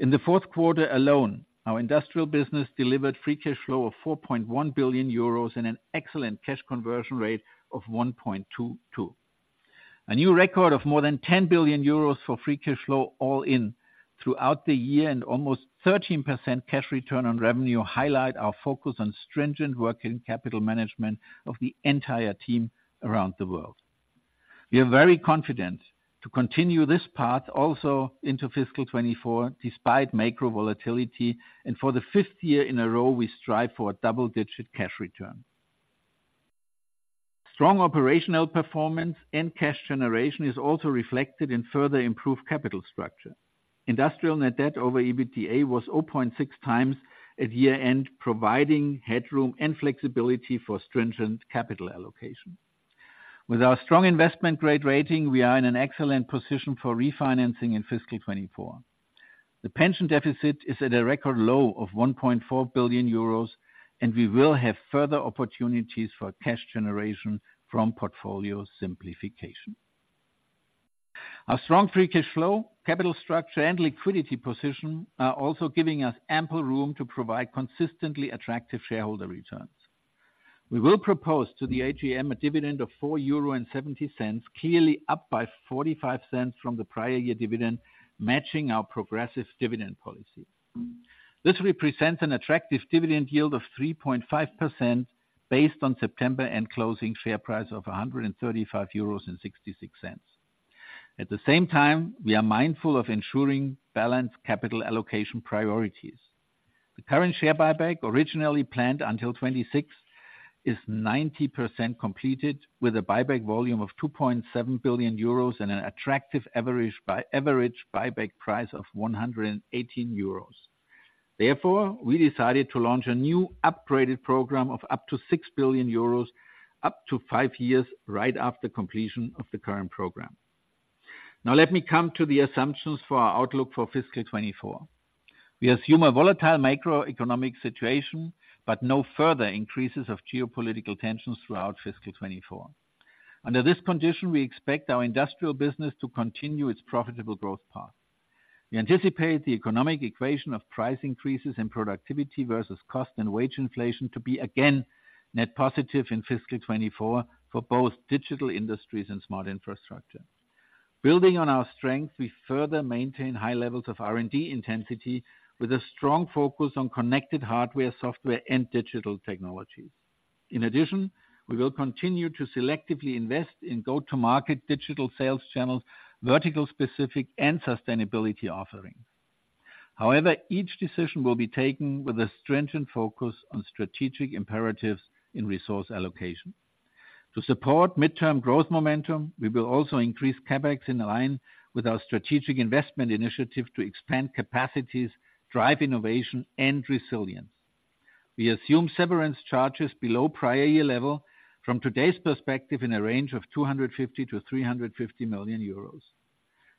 In the fourth quarter alone, our industrial business delivered free cash flow of 4.1 billion euros and an excellent cash conversion rate of 1.22. A new record of more than 10 billion euros for free cash flow all in throughout the year, and almost 13% cash return on revenue, highlight our focus on stringent working capital management of the entire team around the world. We are very confident to continue this path also into fiscal 2024, despite macro volatility, and for the 5th year in a row, we strive for a double-digit cash return. Strong operational performance and cash generation is also reflected in further improved capital structure. Industrial net debt over EBITDA was 0.6 times at year-end, providing headroom and flexibility for stringent capital allocation. With our strong investment-grade rating, we are in an excellent position for refinancing in fiscal 2024. The pension deficit is at a record low of 1.4 billion euros, and we will have further opportunities for cash generation from portfolio simplification. Our strong free cash flow, capital structure, and liquidity position are also giving us ample room to provide consistently attractive shareholder returns. We will propose to the AGM a dividend of 4.70 euro, clearly up by 0.45 from the prior year dividend, matching our progressive dividend policy. This represents an attractive dividend yield of 3.5% based on September, and closing share price of 135.66 euros. At the same time, we are mindful of ensuring balanced capital allocation priorities. The current share buyback, originally planned until 2026, is 90% completed, with a buyback volume of 2.7 billion euros and an attractive average buyback price of 118 euros. Therefore, we decided to launch a new upgraded program of up to 6 billion euros, up to 5 years, right after completion of the current program. Now, let me come to the assumptions for our outlook for fiscal 2024. We assume a volatile macroeconomic situation, but no further increases of geopolitical tensions throughout fiscal 2024. Under this condition, we expect our industrial business to continue its profitable growth path. We anticipate the economic equation of price increases and productivity versus cost and wage inflation to be, again, net positive in fiscal 2024 for both Digital Industries and Smart Infrastructure. Building on our strength, we further maintain high levels of R&D intensity, with a strong focus on connected hardware, software, and digital technologies. In addition, we will continue to selectively invest in go-to-market digital sales channels, vertical-specific and sustainability offering. However, each decision will be taken with a strengthened focus on strategic imperatives in resource allocation. To support midterm growth momentum, we will also increase CapEx in line with our strategic investment initiative to expand capacities, drive innovation, and resilience. We assume severance charges below prior year level from today's perspective, in a range of 250 million-350 million euros.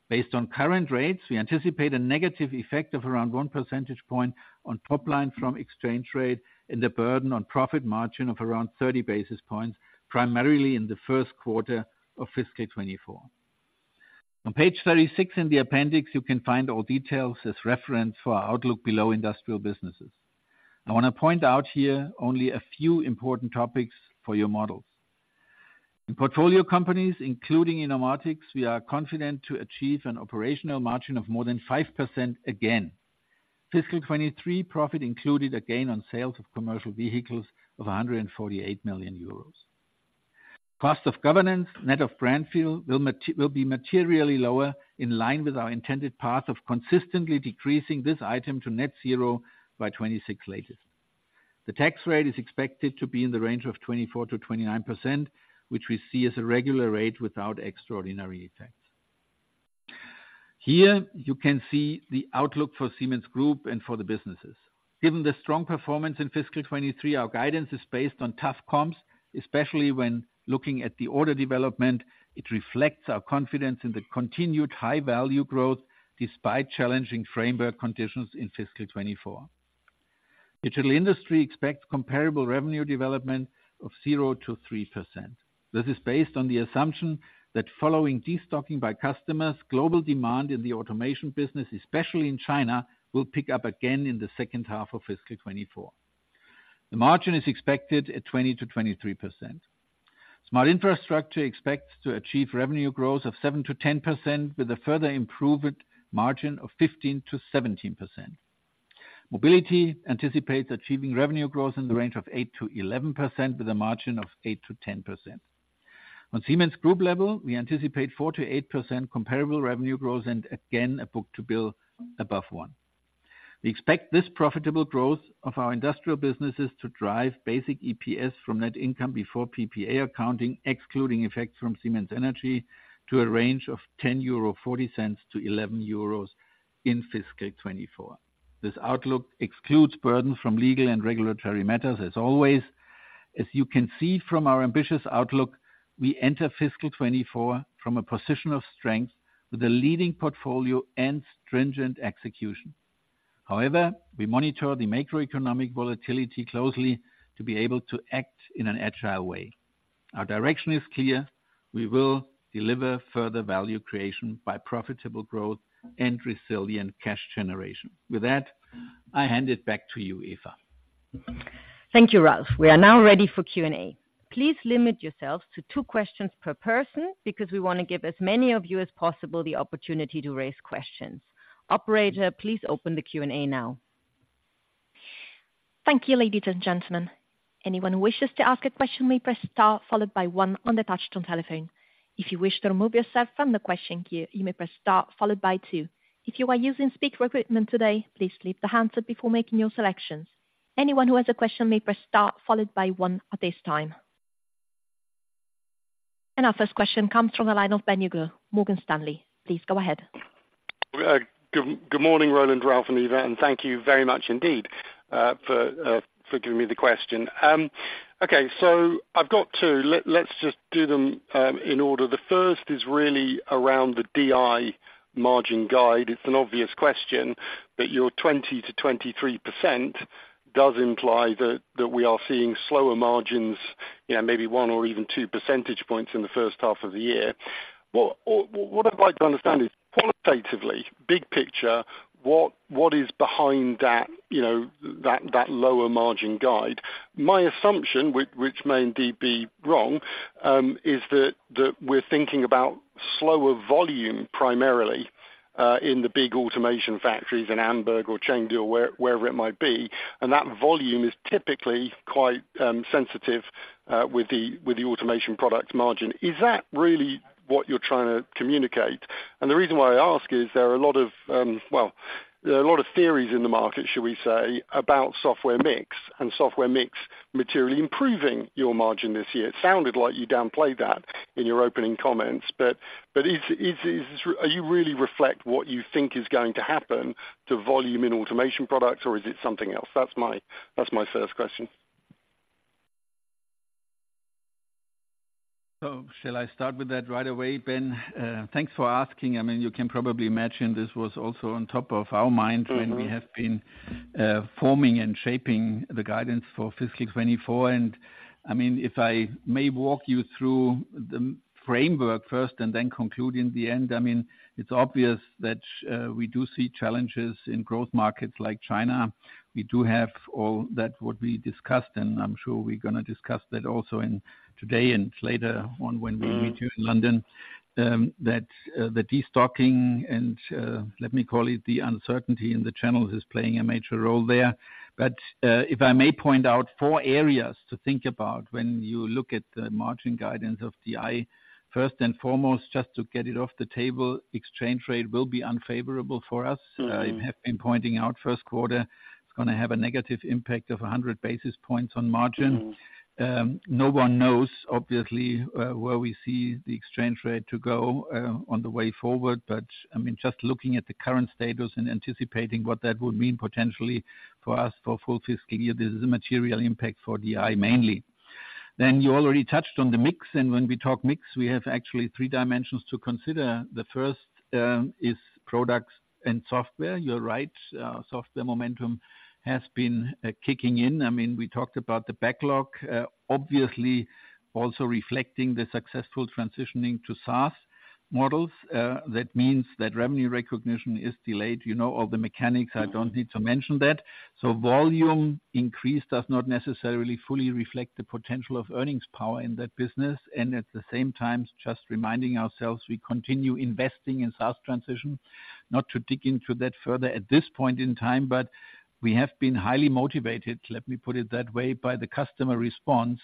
Based on current rates, we anticipate a negative effect of around 1 percentage point on top line from exchange rate and a burden on profit margin of around 30 basis points, primarily in the first quarter of fiscal 2024. On page 36 in the appendix, you can find all details as reference for our outlook below industrial businesses. I want to point out here only a few important topics for your models. In portfolio companies, including Innomotics, we are confident to achieve an operational margin of more than 5% again. Fiscal 2023 profit included a gain on sales of commercial vehicles of 148 million euros. Cost of governance, net of Brownfield, will be materially lower, in line with our intended path of consistently decreasing this item to net zero by 2026 latest. The tax rate is expected to be in the range of 24%-29%, which we see as a regular rate without extraordinary effects. Here you can see the outlook for Siemens Group and for the businesses. Given the strong performance in fiscal 2023, our guidance is based on tough comps, especially when looking at the order development. It reflects our confidence in the continued high-value growth, despite challenging framework conditions in fiscal 2024. Digital Industries expects comparable revenue development of 0% to 3%. This is based on the assumption that following destocking by customers, global demand in the automation business, especially in China, will pick up again in the second half of fiscal 2024. The margin is expected at 20% to 23%. Smart Infrastructure expects to achieve revenue growth of 7% to 10%, with a further improved margin of 15% to 17%. Mobility anticipates achieving revenue growth in the range of 8% to 11%, with a margin of 8% to 10%. On Siemens group level, we anticipate 4% to 8% comparable revenue growth and again, a book-to-bill above 1. We expect this profitable growth of our industrial businesses to drive basic EPS from net income before PPA accounting, excluding effects from Siemens Energy, to a range of 10.40-11 euro in fiscal 2024. This outlook excludes burdens from legal and regulatory matters, as always. As you can see from our ambitious outlook, we enter fiscal 2024 from a position of strength with a leading portfolio and stringent execution. However, we monitor the macroeconomic volatility closely to be able to act in an agile way. Our direction is clear: we will deliver further value creation by profitable growth and resilient cash generation. With that, I hand it back to you, Eva. Thank you, Ralf. We are now ready for Q&A. Please limit yourselves to two questions per person, because we want to give as many of you as possible the opportunity to raise questions. Operator, please open the Q&A now. Thank you, ladies and gentlemen. Anyone who wishes to ask a question may press star followed by one on the touch tone telephone. If you wish to remove yourself from the question queue, you may press star followed by two. If you are using speaker equipment today, please leave the handset before making your selections. Anyone who has a question may press star, followed by one at this time. Our first question comes from the line of Ben Uglow, Morgan Stanley. Please go ahead. Good morning, Roland, Ralf, and Eva, and thank you very much indeed for giving me the question. Okay, so I've got two. Let's just do them in order. The first is really around the DI margin guide. It's an obvious question, but your 20% to 23% does imply that we are seeing slower margins, you know, maybe one or even two percentage points in the first half of the year. Well, or what I'd like to understand is, qualitatively, big picture, what is behind that, you know, that lower margin guide? My assumption, which may indeed be wrong, is that we're thinking about slower volume primarily in the big automation factories in Hamburg or Chengdu, or wherever it might be, and that volume is typically quite sensitive with the automation product margin. Is that really what you're trying to communicate? And the reason why I ask is there are a lot of, well, there are a lot of theories in the market, should we say, about software mix, and software mix materially improving your margin this year. It sounded like you downplayed that in your opening comments, but Are you really reflect what you think is going to happen to volume in automation products, or is it something else? That's my first question. Shall I start with that right away, Ben? Thanks for asking. I mean, you can probably imagine this was also on top of our minds- Mm-hmm -when we have been forming and shaping the guidance for fiscal 2024. I mean, if I may walk you through the framework first and then conclude in the end. I mean, it's obvious that we do see challenges in growth markets like China. We do have all that, what we discussed, and I'm sure we're gonna discuss that also in today and later on when we meet you in London. That, the destocking and, let me call it, the uncertainty in the channels is playing a major role there. But if I may point out four areas to think about when you look at the margin guidance of DI. First and foremost, just to get it off the table, exchange rate will be unfavorable for us. Mm-hmm. I have been pointing out first quarter, it's gonna have a negative impact of 100 basis points on margin. Mm. No one knows, obviously, where we see the exchange rate to go, on the way forward. But, I mean, just looking at the current status and anticipating what that would mean potentially for us for full fiscal year, this is a material impact for DI, mainly. Then you already touched on the mix, and when we talk mix, we have actually three dimensions to consider. The first is products and software. You're right, software momentum has been kicking in. I mean, we talked about the backlog, obviously also reflecting the successful transitioning to SaaS models. That means that revenue recognition is delayed. You know, all the mechanics, I don't need to mention that. So volume increase does not necessarily fully reflect the potential of earnings power in that business. At the same time, just reminding ourselves, we continue investing in the SaaS transition. Not to dig into that further at this point in time, but we have been highly motivated, let me put it that way, by the customer response.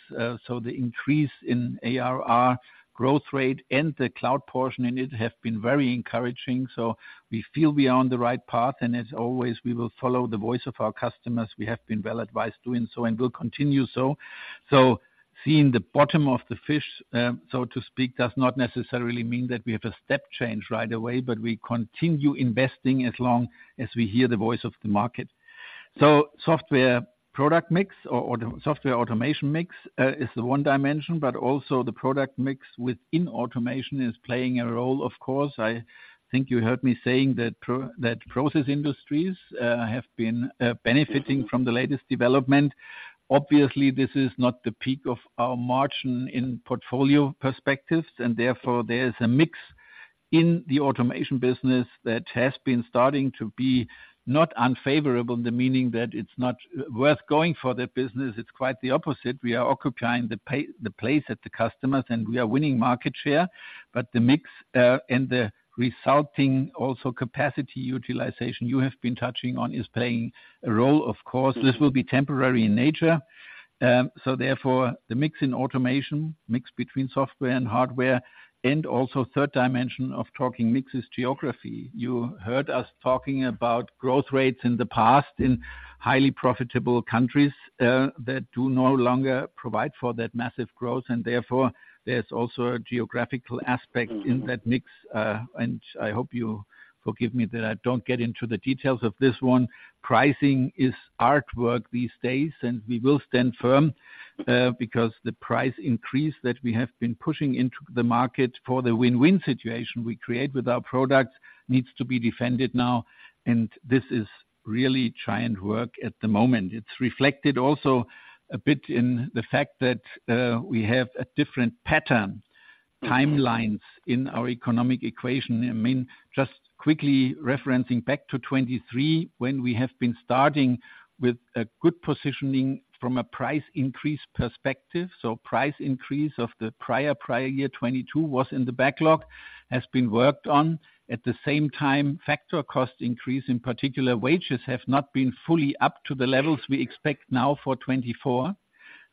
So the increase in ARR growth rate and the cloud portion in it have been very encouraging. So we feel we are on the right path, and as always, we will follow the voice of our customers. We have been well advised doing so and will continue so. So seeing the bottom of the fish, so to speak, does not necessarily mean that we have a step change right away, but we continue investing as long as we hear the voice of the market. So software product mix or the software automation mix is the one dimension, but also the product mix within automation is playing a role, of course. I think you heard me saying that process industries have been benefiting from the latest development. Obviously, this is not the peak of our margin in portfolio perspectives, and therefore there is a mix in the automation business, that has been starting to be not unfavorable, in the meaning that it's not worth going for that business. It's quite the opposite. We are occupying the place at the customers, and we are winning market share. But the mix and the resulting also capacity utilization you have been touching on, is playing a role, of course. This will be temporary in nature. So therefore, the mix in automation, mix between software and hardware, and also third dimension of talking mix is geography. You heard us talking about growth rates in the past in highly profitable countries that do no longer provide for that massive growth, and therefore, there's also a geographical aspect in that mix. I hope you forgive me that I don't get into the details of this one. Pricing is artwork these days, and we will stand firm because the price increase that we have been pushing into the market for the win-win situation we create with our products needs to be defended now, and this is really giant work at the moment. It's reflected also a bit in the fact that we have a different pattern, timelines in our economic equation. I mean, just quickly referencing back to 2023, when we have been starting with a good positioning from a price increase perspective. So price increase of the prior, prior year, 2022, was in the backlog, has been worked on. At the same time, factor cost increase, in particular, wages, have not been fully up to the levels we expect now for 2024.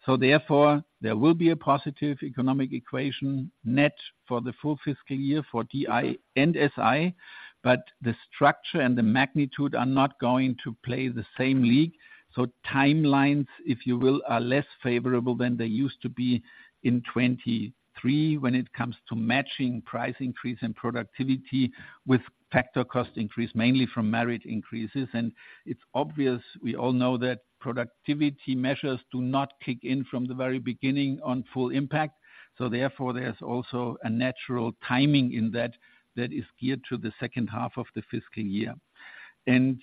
So therefore, there will be a positive economic equation net for the full fiscal year for DI and SI, but the structure and the magnitude are not going to play the same league. So timelines, if you will, are less favorable than they used to be in 2023 when it comes to matching price increase and productivity with factor cost increase, mainly from merit increases. And it's obvious, we all know that productivity measures do not kick in from the very beginning on full impact. So therefore, there's also a natural timing in that, that is geared to the second half of the fiscal year. And,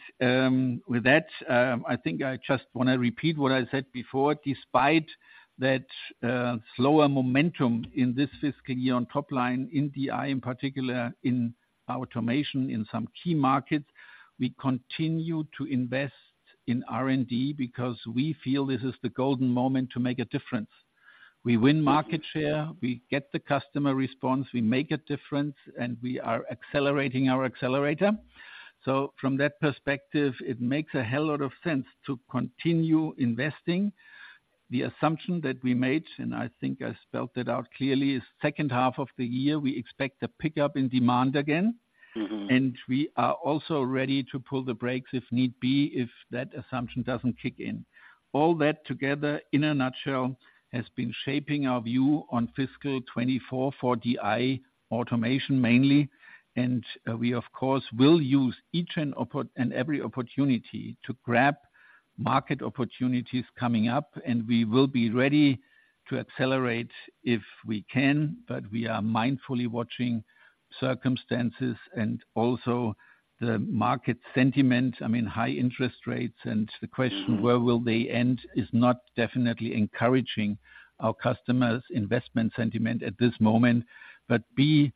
with that, I think I just wanna repeat what I said before. Despite that, slower momentum in this fiscal year on top line, in DI, in particular in automation, in some key markets, we continue to invest in R&D because we feel this is the golden moment to make a difference. We win market share, we get the customer response, we make a difference, and we are accelerating our accelerator. So from that perspective, it makes a hell lot of sense to continue investing. The assumption that we made, and I think I spelled it out clearly, is second half of the year, we expect a pickup in demand again. Mm-hmm. We are also ready to pull the brakes if need be, if that assumption doesn't kick in. All that together, in a nutshell, has been shaping our view on fiscal 2024 for DI automation, mainly. And we, of course, will use each and every opportunity to grab market opportunities coming up, and we will be ready to accelerate if we can, but we are mindfully watching circumstances and also the market sentiment. I mean, high interest rates and the question, where will they end, is not definitely encouraging our customers' investment sentiment at this moment. But you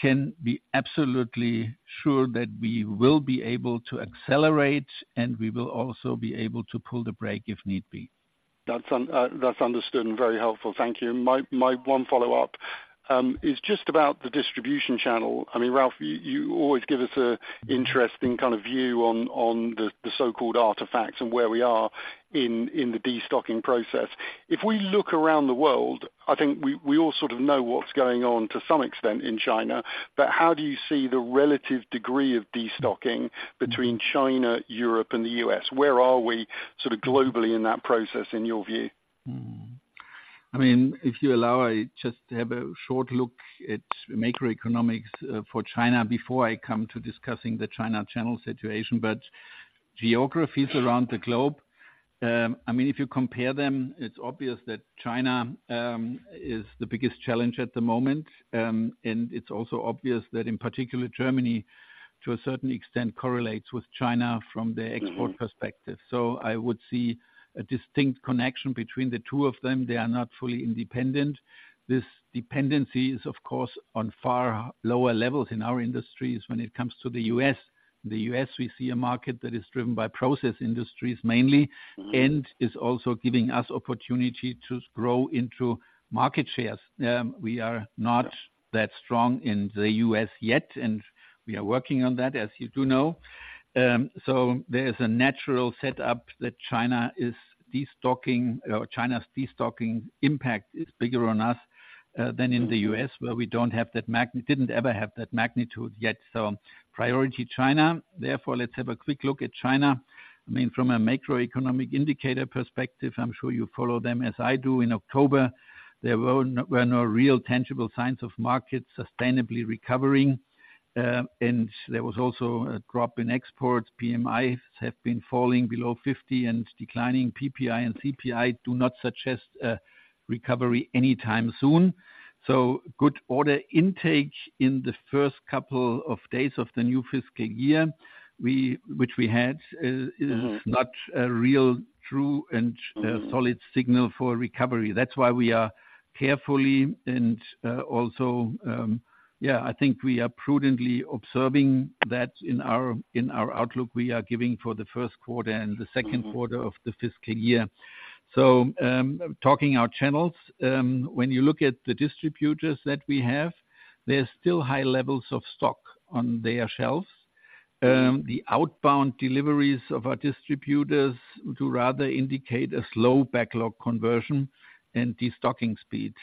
can be absolutely sure that we will be able to accelerate, and we will also be able to pull the brake if need be. That's understood and very helpful. Thank you. My one follow-up is just about the distribution channel. I mean, Ralf, you always give us an interesting kind of view on the so-called artifacts and where we are in the destocking process. If we look around the world, I think we all sort of know what's going on to some extent in China, but how do you see the relative degree of destocking between China, Europe, and the U.S.? Where are we sort of globally in that process, in your view? I mean, if you allow, I just have a short look at macroeconomics for China before I come to discussing the China channel situation. But geographies around the globe, I mean, if you compare them, it's obvious that China is the biggest challenge at the moment. And it's also obvious that in particular, Germany, to a certain extent, correlates with China from the export perspective. Mm-hmm. So I would see a distinct connection between the two of them. They are not fully independent. This dependency is, of course, on far lower levels in our industries when it comes to the U.S. The U.S., we see a market that is driven by process industries mainly- Mm-hmm. and is also giving us opportunity to grow into market shares. We are not that strong in the U.S. yet, and we are working on that, as you do know. So there is a natural set up that China is destocking or China's destocking impact is bigger on us, than in the U.S., where we don't have that magnitude yet. So priority China, therefore, let's have a quick look at China. I mean, from a macroeconomic indicator perspective, I'm sure you follow them as I do. In October, there were no real tangible signs of markets sustainably recovering, and there was also a drop in exports. PMIs have been falling below 50 and declining. PPI and CPI do not suggest a recovery anytime soon. So good order intake in the first couple of days of the new fiscal year, which we had. Mm-hmm... is not a real true and, Mm-hmm... solid signal for recovery. That's why we are carefully and prudently observing that in our outlook we are giving for the first quarter and the second quarter- Mm-hmm... of the fiscal year. So, talking our channels, when you look at the distributors that we have, there's still high levels of stock on their shelves. The outbound deliveries of our distributors do rather indicate a slow backlog conversion and destocking speeds.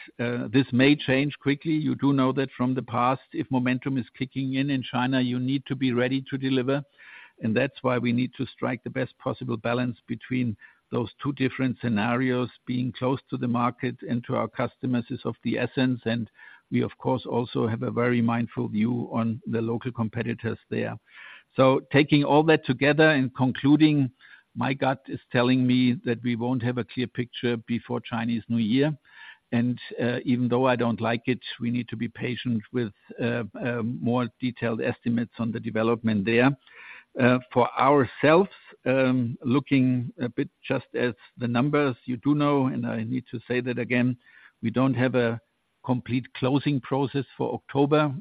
This may change quickly. You do know that from the past, if momentum is kicking in, in China, you need to be ready to deliver, and that's why we need to strike the best possible balance between those two different scenarios. Being close to the market and to our customers is of the essence, and we, of course, also have a very mindful view on the local competitors there. So taking all that together and concluding, my gut is telling me that we won't have a clear picture before Chinese New Year. Even though I don't like it, we need to be patient with more detailed estimates on the development there. For ourselves, looking a bit just as the numbers you do know, and I need to say that again, we don't have a complete closing process for October,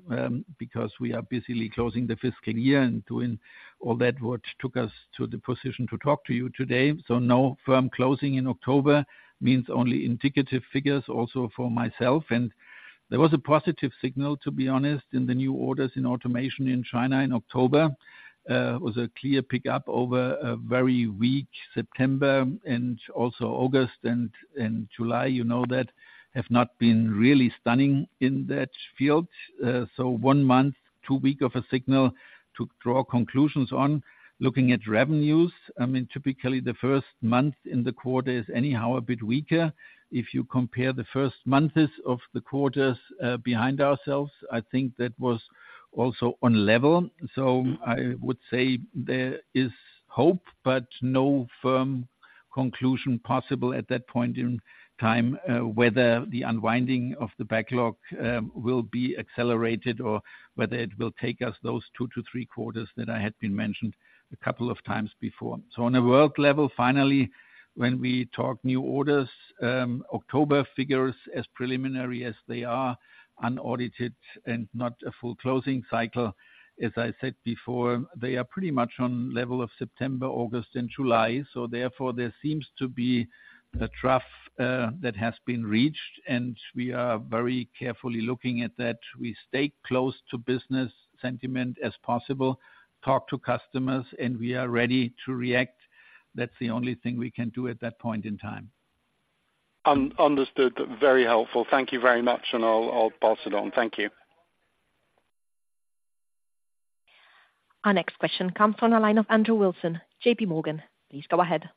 because we are busily closing the fiscal year and doing all that which took us to the position to talk to you today. So no firm closing in October means only indicative figures also for myself. And there was a positive signal, to be honest, in the new orders in automation in China in October. It was a clear pick-up over a very weak September, and also August and July, you know that have not been really stunning in that field. So one month, two weeks of a signal to draw conclusions on. Looking at revenues, I mean, typically the first month in the quarter is anyhow a bit weaker. If you compare the first months of the quarters, behind ourselves, I think that was also on level. So I would say there is hope, but no firm conclusion possible at that point in time, whether the unwinding of the backlog will be accelerated or whether it will take us those two to three quarters that I had been mentioned a couple of times before. So on a world level, finally, when we talk new orders, October figures, as preliminary as they are, unaudited and not a full closing cycle, as I said before, they are pretty much on level of September, August and July. So therefore, there seems to be a trough that has been reached, and we are very carefully looking at that. We stay close to business sentiment as possible, talk to customers, and we are ready to react. That's the only thing we can do at that point in time. Understood. Very helpful. Thank you very much, and I'll pass it on. Thank you. Our next question comes from the line of Andrew Wilson, JPMorgan. Please go ahead.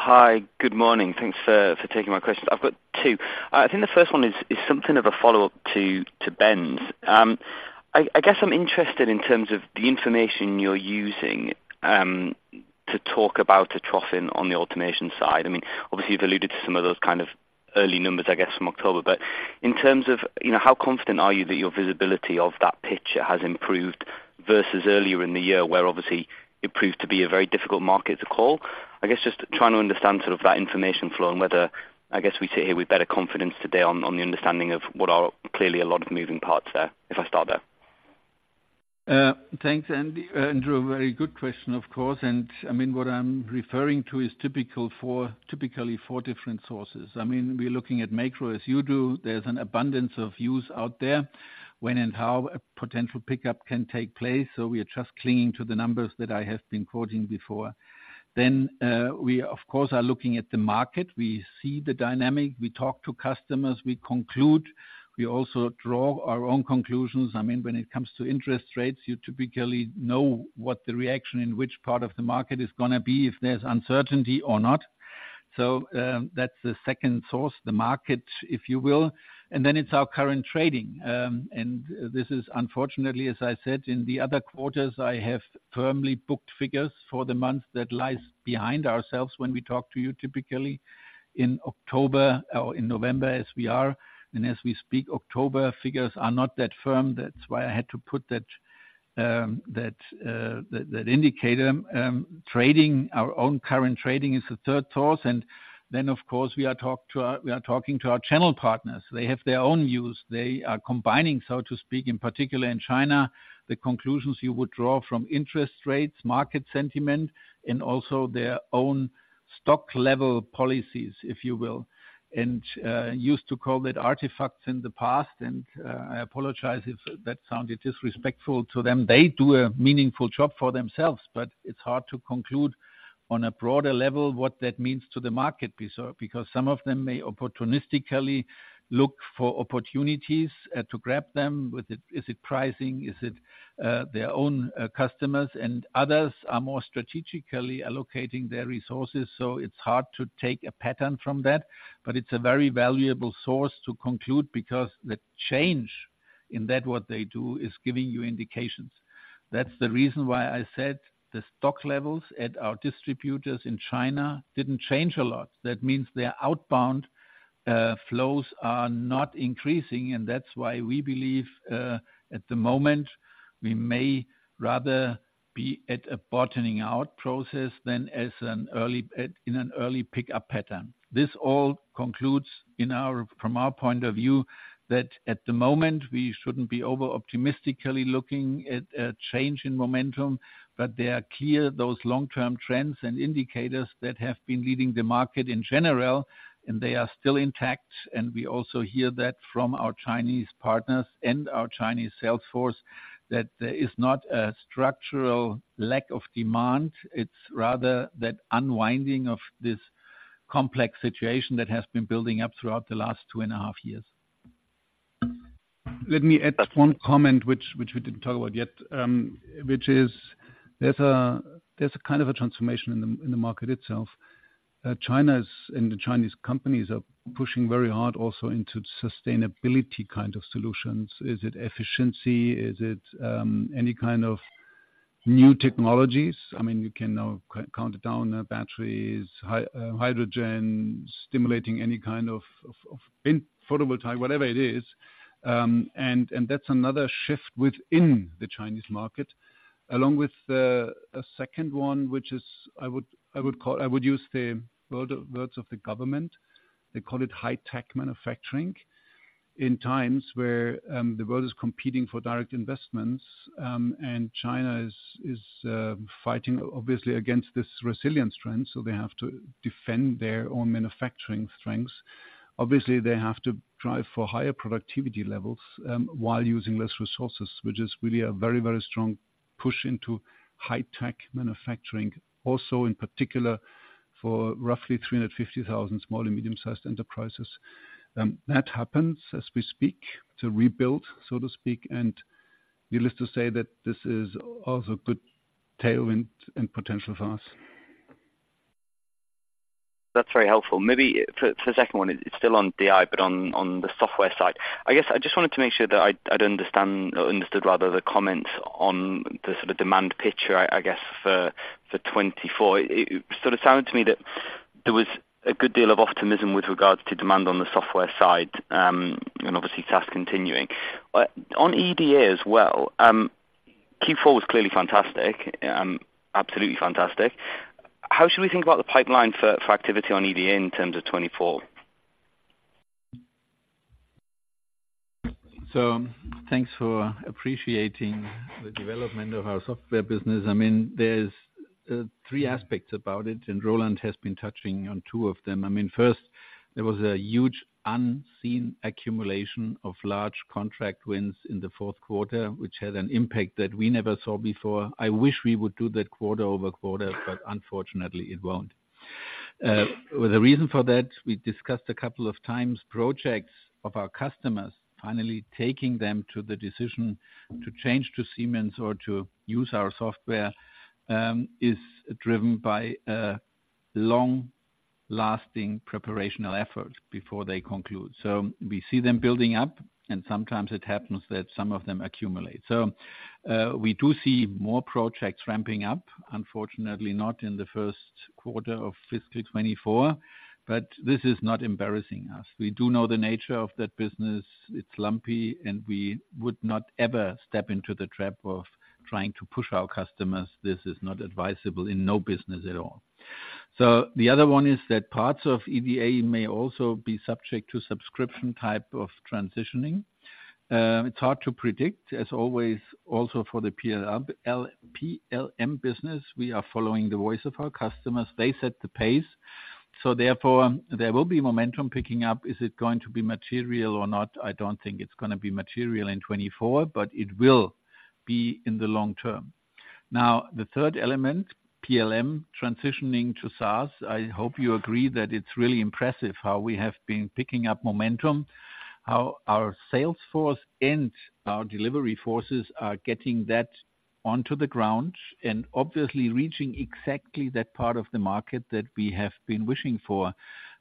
Hi, good morning. Thanks for taking my question. I've got two. I think the first one is something of a follow-up to Ben's. I guess I'm interested in terms of the information you're using to talk about a trough in on the automation side. I mean, obviously, you've alluded to some of those kind of early numbers, I guess, from October. But in terms of, you know, how confident are you that your visibility of that picture has improved versus earlier in the year, where obviously it proved to be a very difficult market to call? I guess, just trying to understand sort of that information flow and whether, I guess, we sit here with better confidence today on the understanding of what are clearly a lot of moving parts there. If I stop there. Thanks, Andy, Andrew. Very good question, of course, and I mean, what I'm referring to is typically four different sources. I mean, we're looking at macro as you do. There's an abundance of views out there, when and how a potential pickup can take place, so we are just clinging to the numbers that I have been quoting before. Then, we, of course, are looking at the market. We see the dynamic, we talk to customers, we conclude. We also draw our own conclusions. I mean, when it comes to interest rates, you typically know what the reaction in which part of the market is gonna be if there's uncertainty or not. So, that's the second source, the market, if you will. And then it's our current trading. This is unfortunately, as I said, in the other quarters, I have firmly booked figures for the month that lies behind ourselves when we talk to you, typically in October or in November, as we are. And as we speak, October figures are not that firm. That's why I had to put that indicator. Trading, our own current trading is the third source. And then, of course, we are talking to our channel partners. They have their own views. They are combining, so to speak, in particular in China, the conclusions you would draw from interest rates, market sentiment, and also their own stock level policies, if you will. And used to call that artifacts in the past, and I apologize if that sounded disrespectful to them. They do a meaningful job for themselves, but it's hard to conclude on a broader level what that means to the market because some of them may opportunistically look for opportunities to grab them. Is it pricing? Is it their own customers? And others are more strategically allocating their resources, so it's hard to take a pattern from that. But it's a very valuable source to conclude, because the change in that what they do is giving you indications. That's the reason why I said the stock levels at our distributors in China didn't change a lot. That means their outbound flows are not increasing, and that's why we believe at the moment, we may rather be at a bottoming out process than in an early pick-up pattern. This all concludes, from our point of view, that at the moment we shouldn't be over-optimistically looking at a change in momentum, but they are clear, those long-term trends and indicators that have been leading the market in general, and they are still intact. We also hear that from our Chinese partners and our Chinese sales force, that there is not a structural lack of demand. It's rather that unwinding of this complex situation that has been building up throughout the last two and a half years. Let me add just one comment, which we didn't talk about yet, which is there's a kind of a transformation in the market itself. China's and the Chinese companies are pushing very hard also into sustainability kind of solutions. Is it efficiency? Is it any kind of new technologies? I mean, you can now count it down, batteries, hydrogen, stimulating any kind of photovoltaic, whatever it is. And that's another shift within the Chinese market, along with a second one, which is I would call it. I would use the words of the government. They call it high tech manufacturing. In times where the world is competing for direct investments, and China is fighting obviously against this resilience trend, so they have to defend their own manufacturing strengths. Obviously, they have to drive for higher productivity levels while using less resources, which is really a very, very strong push into high tech manufacturing. Also, in particular, for roughly 350,000 small and medium-sized enterprises. That happens as we speak, to rebuild, so to speak, and needless to say, that this is also a good tailwind and potential for us. That's very helpful. Maybe for the second one, it's still on DI, but on the software side. I guess I just wanted to make sure that I'd understand or understood, rather, the comments on the sort of demand picture, I guess, for 2024. It sort of sounded to me that there was a good deal of optimism with regards to demand on the software side, and obviously task continuing. But on EDA as well, Q4 was clearly fantastic, absolutely fantastic. How should we think about the pipeline for activity on EDA in terms of 2024? So thanks for appreciating the development of our software business. I mean, there's three aspects about it, and Roland has been touching on two of them. I mean, first, there was a huge unseen accumulation of large contract wins in the fourth quarter, which had an impact that we never saw before. I wish we would do that quarter-over-quarter, but unfortunately, it won't. The reason for that, we discussed a couple of times, projects of our customers, finally taking them to the decision to change to Siemens or to use our software, is driven by a long-lasting preparational effort before they conclude. So, we do see more projects ramping up, unfortunately, not in the first quarter of fiscal 2024, but this is not embarrassing us. We do know the nature of that business. It's lumpy, and we would not ever step into the trap of trying to push our customers. This is not advisable in no business at all. So the other one is that parts of EDA may also be subject to subscription type of transitioning. It's hard to predict, as always, also for the PLM business, we are following the voice of our customers. They set the pace, so therefore, there will be momentum picking up. Is it going to be material or not? I don't think it's going to be material in 2024, but it will be in the long term. Now, the third element, PLM, transitioning to SaaS, I hope you agree that it's really impressive how we have been picking up momentum, how our sales force and our delivery forces are getting that onto the ground and obviously reaching exactly that part of the market that we have been wishing for.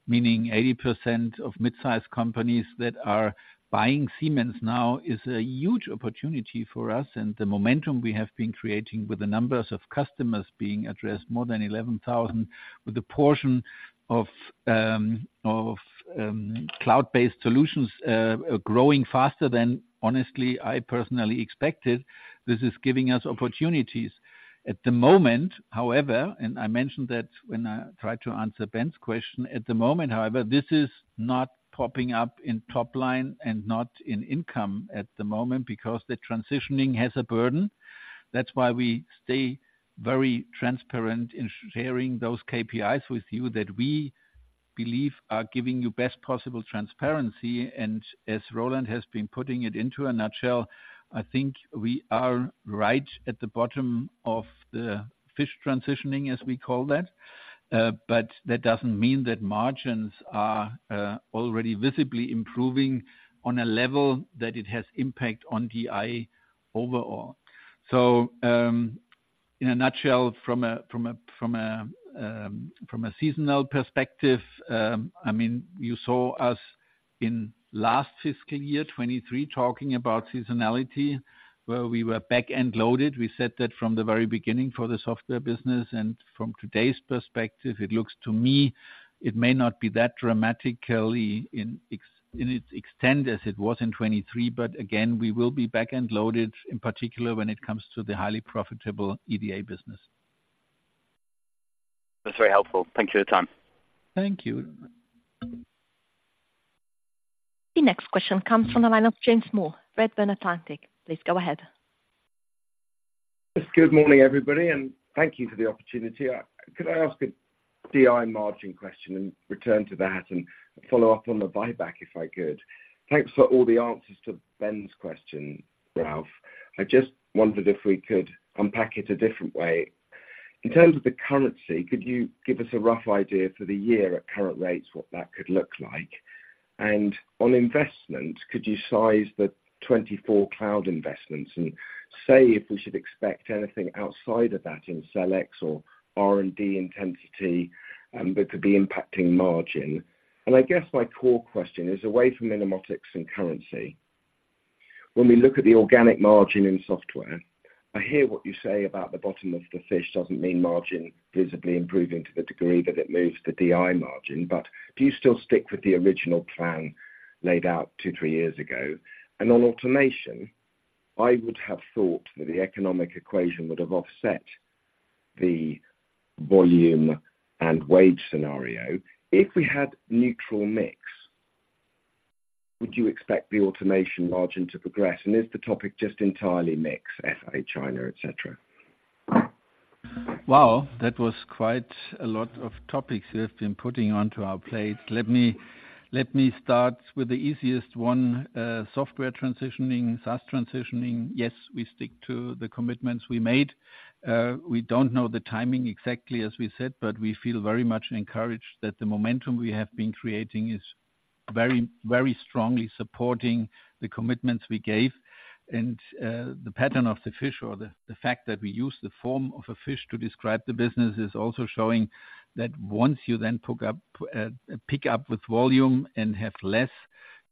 Meaning 80% of mid-sized companies that are buying Siemens now is a huge opportunity for us. And the momentum we have been creating with the numbers of customers being addressed, more than 11,000, with a portion of cloud-based solutions growing faster than honestly, I personally expected. This is giving us opportunities. At the moment, however, and I mentioned that when I tried to answer Ben's question. At the moment, however, this is not popping up in top line and not in income at the moment because the transitioning has a burden. That's why we stay very transparent in sharing those KPIs with you that we believe are giving you best possible transparency. And as Roland has been putting it into a nutshell, I think we are right at the bottom of this transitioning, as we call that. But that doesn't mean that margins are already visibly improving on a level that it has impact on DI overall. So, in a nutshell, from a seasonal perspective, I mean, you saw us in last fiscal year, 2023, talking about seasonality, where we were back and loaded. We said that from the very beginning for the software business, and from today's perspective, it looks to me it may not be that dramatically in its extent as it was in 2023. But again, we will be back and loaded, in particular, when it comes to the highly profitable EDA business. That's very helpful. Thank you for your time. Thank you. The next question comes from the line of James Moore, Redburn Atlantic. Please go ahead. Good morning, everybody, and thank you for the opportunity. Could I ask a DI margin question and return to that and follow up on the buyback, if I could? Thanks for all the answers to Ben's question, Ralf. I just wondered if we could unpack it a different way. In terms of the currency, could you give us a rough idea for the year at current rates, what that could look like? And on investment, could you size the 24 cloud investments and say if we should expect anything outside of that in select or R&D intensity, that could be impacting margin? And I guess my core question is away from Innomotics and currency. When we look at the organic margin in software, I hear what you say about the bottom of the fish doesn't mean margin visibly improving to the degree that it moves the DI margin. Do you still stick with the original plan laid out two, three years ago? On automation, I would have thought that the economic equation would have offset the volume and wage scenario. If we had neutral mix, would you expect the automation margin to progress? Is the topic just entirely mix, SA, China, et cetera? Wow, that was quite a lot of topics you have been putting onto our plate. Let me, let me start with the easiest one. Software transitioning, SaaS transitioning, yes, we stick to the commitments we made. We don't know the timing exactly as we said, but we feel very much encouraged that the momentum we have been creating is very, very strongly supporting the commitments we gave. And, the pattern of the fish or the, the fact that we use the form of a fish to describe the business, is also showing that once you then pick up with volume and have less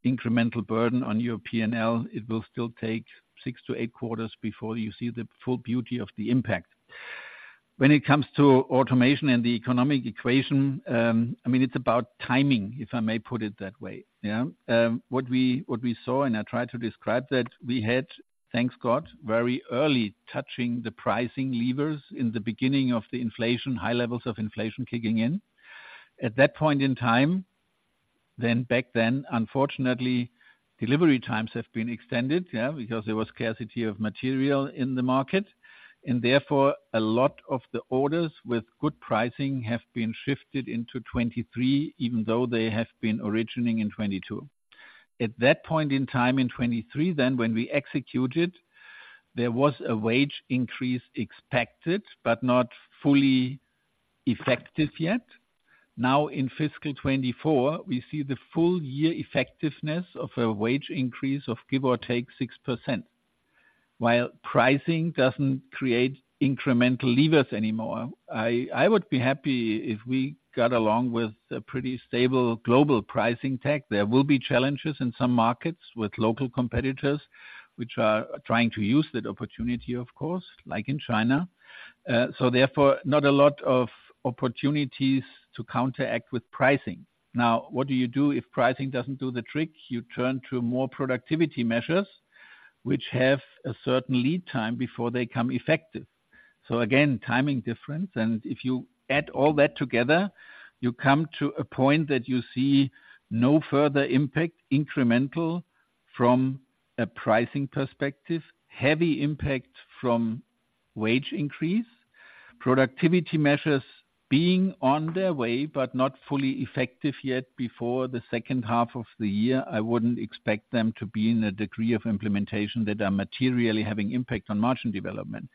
incremental burden on your P&L, it will still take 6-8 quarters before you see the full beauty of the impact. When it comes to automation and the economic equation, I mean, it's about timing, if I may put it that way. Yeah. What we saw, and I tried to describe that, we had, thanks God, very early, touching the pricing levers in the beginning of the inflation, high levels of inflation kicking in. At that point in time, then back then, unfortunately, delivery times have been extended, because there was scarcity of material in the market, and therefore, a lot of the orders with good pricing have been shifted into 2023, even though they have been originating in 2022. At that point in time, in 2023, then when we executed, there was a wage increase expected, but not fully effective yet. Now, in fiscal 2024, we see the full year effectiveness of a wage increase of give or take 6%. While pricing doesn't create incremental levers anymore, I, I would be happy if we got along with a pretty stable global pricing tag. There will be challenges in some markets with local competitors, which are trying to use that opportunity, of course, like in China. So therefore, not a lot of opportunities to counteract with pricing. Now, what do you do if pricing doesn't do the trick? You turn to more productivity measures, which have a certain lead time before they come effective. So again, timing difference. And if you add all that together, you come to a point that you see no further impact, incremental from a pricing perspective, heavy impact from wage increase, productivity measures being on their way, but not fully effective yet. Before the second half of the year, I wouldn't expect them to be in a degree of implementation that are materially having impact on margin development.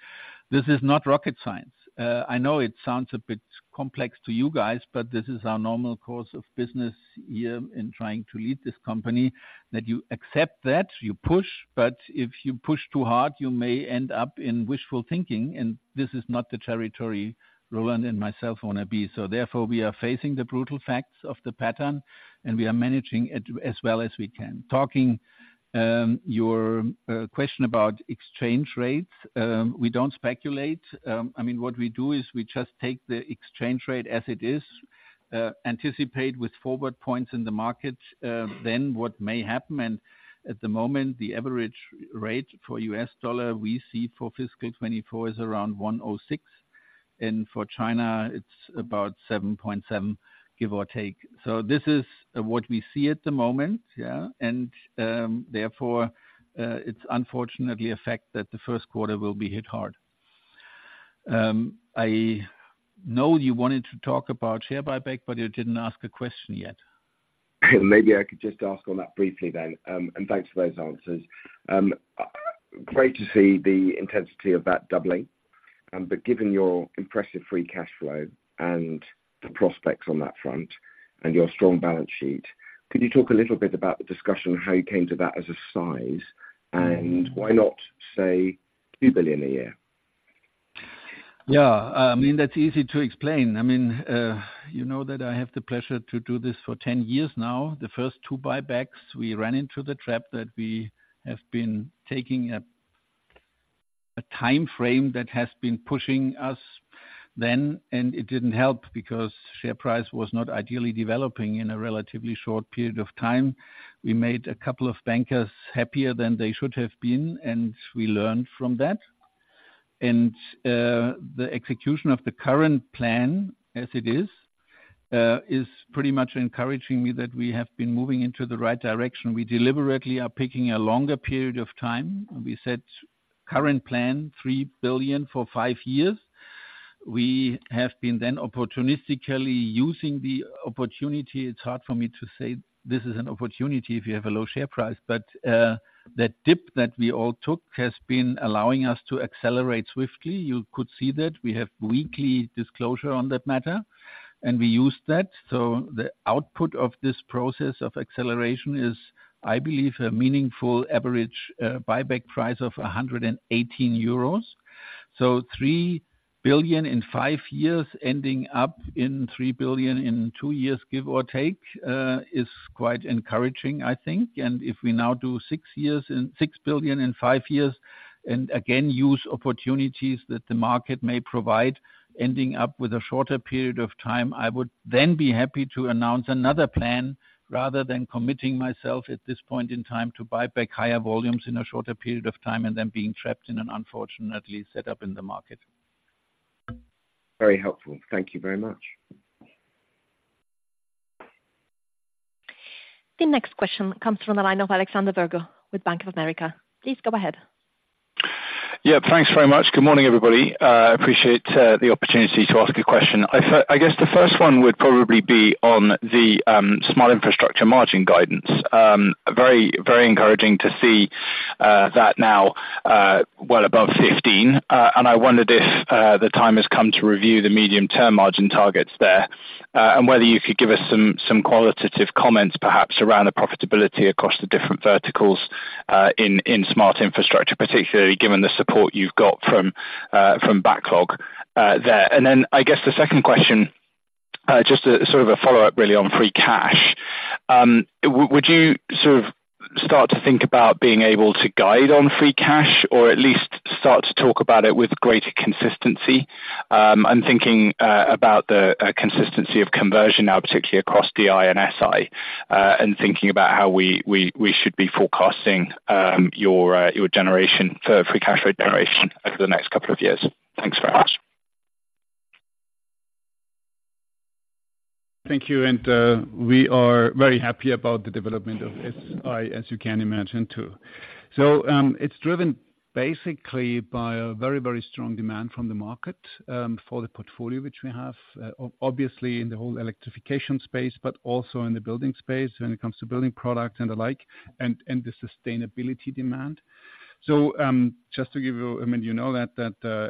This is not rocket science. I know it sounds a bit complex to you guys, but this is our normal course of business here in trying to lead this company, that you accept that, you push, but if you push too hard, you may end up in wishful thinking, and this is not the territory Roland and myself want to be. So therefore, we are facing the brutal facts of the pattern, and we are managing it as well as we can. Talking, your question about exchange rates, we don't speculate. I mean, what we do is we just take the exchange rate as it is, anticipate with forward points in the market, then what may happen, and at the moment, the average rate for US dollar we see for fiscal 2024 is around 1.06, and for China, it's about 7.7, give or take. So this is what we see at the moment, yeah, and, therefore, it's unfortunately a fact that the first quarter will be hit hard. I know you wanted to talk about share buyback, but you didn't ask a question yet. Maybe I could just ask on that briefly then, and thanks for those answers. Great to see the intensity of that doubling, but given your impressive free cash flow and the prospects on that front and your strong balance sheet, could you talk a little bit about the discussion on how you came to that as a size, and why not say 2 billion a year? Yeah, I mean, that's easy to explain. I mean, you know that I have the pleasure to do this for 10 years now. The first two buybacks, we ran into the trap that we have been taking a time frame that has been pushing us then, and it didn't help because share price was not ideally developing in a relatively short period of time. We made a couple of bankers happier than they should have been, and we learned from that. And the execution of the current plan as it is is pretty much encouraging me that we have been moving into the right direction. We deliberately are picking a longer period of time. We set current plan, 3 billion for 5 years.... We have been then opportunistically using the opportunity. It's hard for me to say this is an opportunity if you have a low share price, but that dip that we all took has been allowing us to accelerate swiftly. You could see that we have weekly disclosure on that matter, and we use that. So the output of this process of acceleration is, I believe, a meaningful average buyback price of 118 euros. So 3 billion in five years, ending up in 3 billion in two years, give or take, is quite encouraging, I think. If we now do 6 years and 6 billion in 5 years, and again, use opportunities that the market may provide, ending up with a shorter period of time, I would then be happy to announce another plan, rather than committing myself at this point in time to buy back higher volumes in a shorter period of time and then being trapped in an unfortunately set up in the market. Very helpful. Thank you very much. The next question comes from the line of Alexander Virgo with Bank of America. Please go ahead. Yeah, thanks very much. Good morning, everybody. I appreciate the opportunity to ask a question. I guess the first one would probably be on the Smart Infrastructure margin guidance. Very, very encouraging to see that now well above 15%. And I wondered if the time has come to review the medium-term margin targets there, and whether you could give us some qualitative comments, perhaps around the profitability across the different verticals in Smart Infrastructure, particularly given the support you've got from backlog there. And then I guess the second question, just a sort of a follow-up really on free cash. Would you sort of start to think about being able to guide on free cash, or at least start to talk about it with greater consistency? I'm thinking about the consistency of conversion now, particularly across the I and SI, and thinking about how we should be forecasting your generation for free cash flow generation over the next couple of years. Thanks very much. Thank you. We are very happy about the development of SI, as you can imagine, too. It's driven basically by a very, very strong demand from the market for the portfolio, which we have, obviously in the whole electrification space, but also in the building space when it comes to building product and the like, and the sustainability demand. Just to give you, I mean, you know that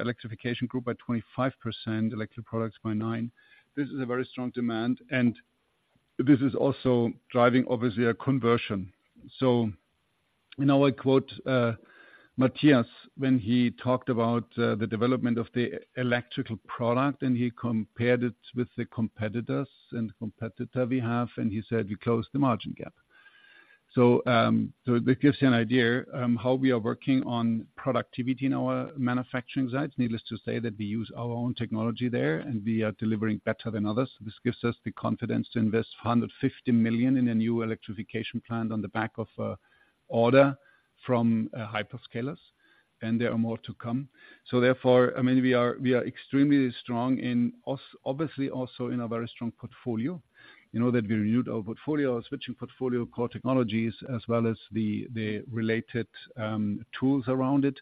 electrification group by 25%, electric products by 9%. This is a very strong demand, and this is also driving, obviously, a conversion. So now I quote, Matthias, when he talked about, the development of the electrical product, and he compared it with the competitors and competitor we have, and he said, "We closed the margin gap." So, so that gives you an idea, how we are working on productivity in our manufacturing sites. Needless to say, that we use our own technology there, and we are delivering better than others. This gives us the confidence to invest 150 million in a new electrification plant on the back of a order from, hyperscalers, and there are more to come. So therefore, I mean, we are, we are extremely strong in us- obviously, also in a very strong portfolio. You know, that we renewed our portfolio, switching portfolio, core technologies, as well as the, the related, tools around it.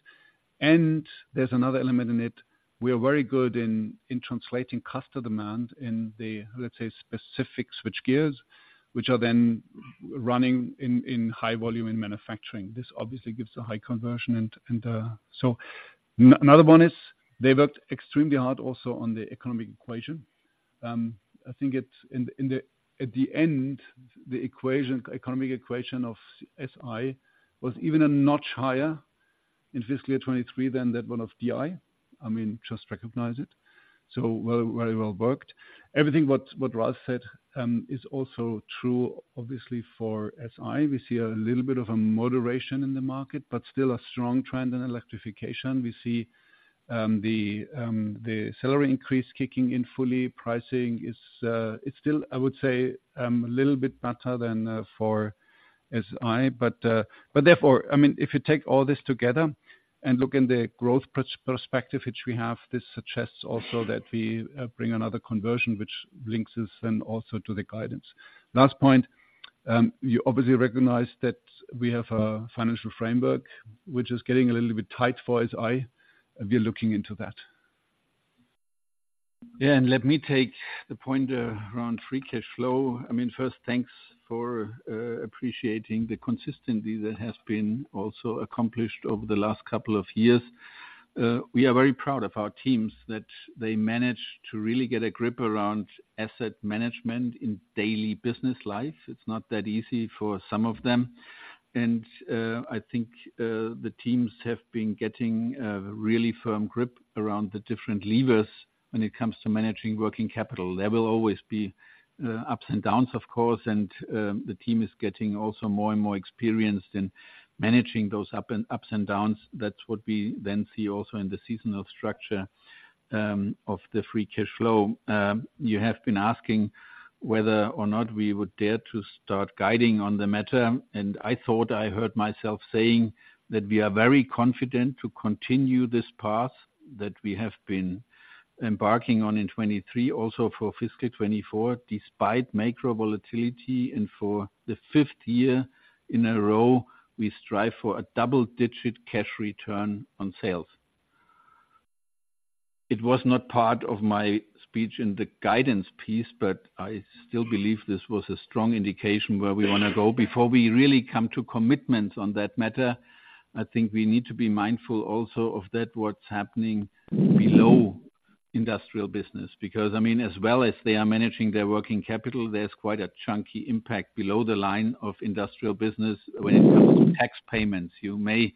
And there's another element in it. We are very good in translating customer demand in the, let's say, specific switch gears, which are then running in high volume in manufacturing. This obviously gives a high conversion. Another one is they worked extremely hard also on the economic equation. I think it's at the end, the equation, economic equation of SI was even a notch higher in fiscal year 2023 than that one of DI. I mean, just recognize it. So very, very well worked. Everything what Ralf said is also true, obviously for SI. We see a little bit of a moderation in the market, but still a strong trend in electrification. We see the salary increase kicking in fully. Pricing is, it's still, I would say, a little bit better than for SI. But, but therefore, I mean, if you take all this together and look in the growth perspective which we have, this suggests also that we bring another conversion, which links us then also to the guidance. Last point, you obviously recognize that we have a financial framework which is getting a little bit tight for SI, and we are looking into that. Yeah, and let me take the point around free cash flow. I mean, first, thanks for appreciating the consistency that has been also accomplished over the last couple of years. We are very proud of our teams, that they managed to really get a grip around asset management in daily business life. It's not that easy for some of them. I think the teams have been getting a really firm grip around the different levers when it comes to managing working capital. There will always be ups and downs, of course, and the team is getting also more and more experienced in managing those ups and downs. That's what we then see also in the seasonal structure of the Free Cash Flow. You have been asking whether or not we would dare to start guiding on the matter, and I thought I heard myself saying that we are very confident to continue this path that we have been embarking on in 2023, also for fiscal 2024, despite macro volatility, and for the fifth year in a row, we strive for a double-digit cash return on sales. It was not part of my speech in the guidance piece, but I still believe this was a strong indication where we want to go. Before we really come to commitments on that matter, I think we need to be mindful also of that what's happening below industrial business. Because, I mean, as well as they are managing their working capital, there's quite a chunky impact below the line of industrial business when it comes to tax payments. You may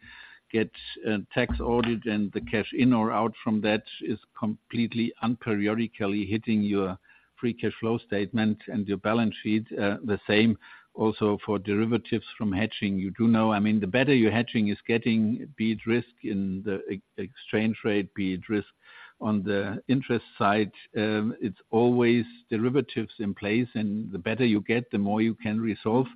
get a tax audit, and the cash in or out from that is completely unperiodically hitting your Free Cash Flow statement and your balance sheet. The same also for derivatives from hedging. You do know, I mean, the better your hedging is getting, be it risk in the ex-exchange rate, be it risk on the interest side, it's always derivatives in place, and the better you get, the more you can resolve.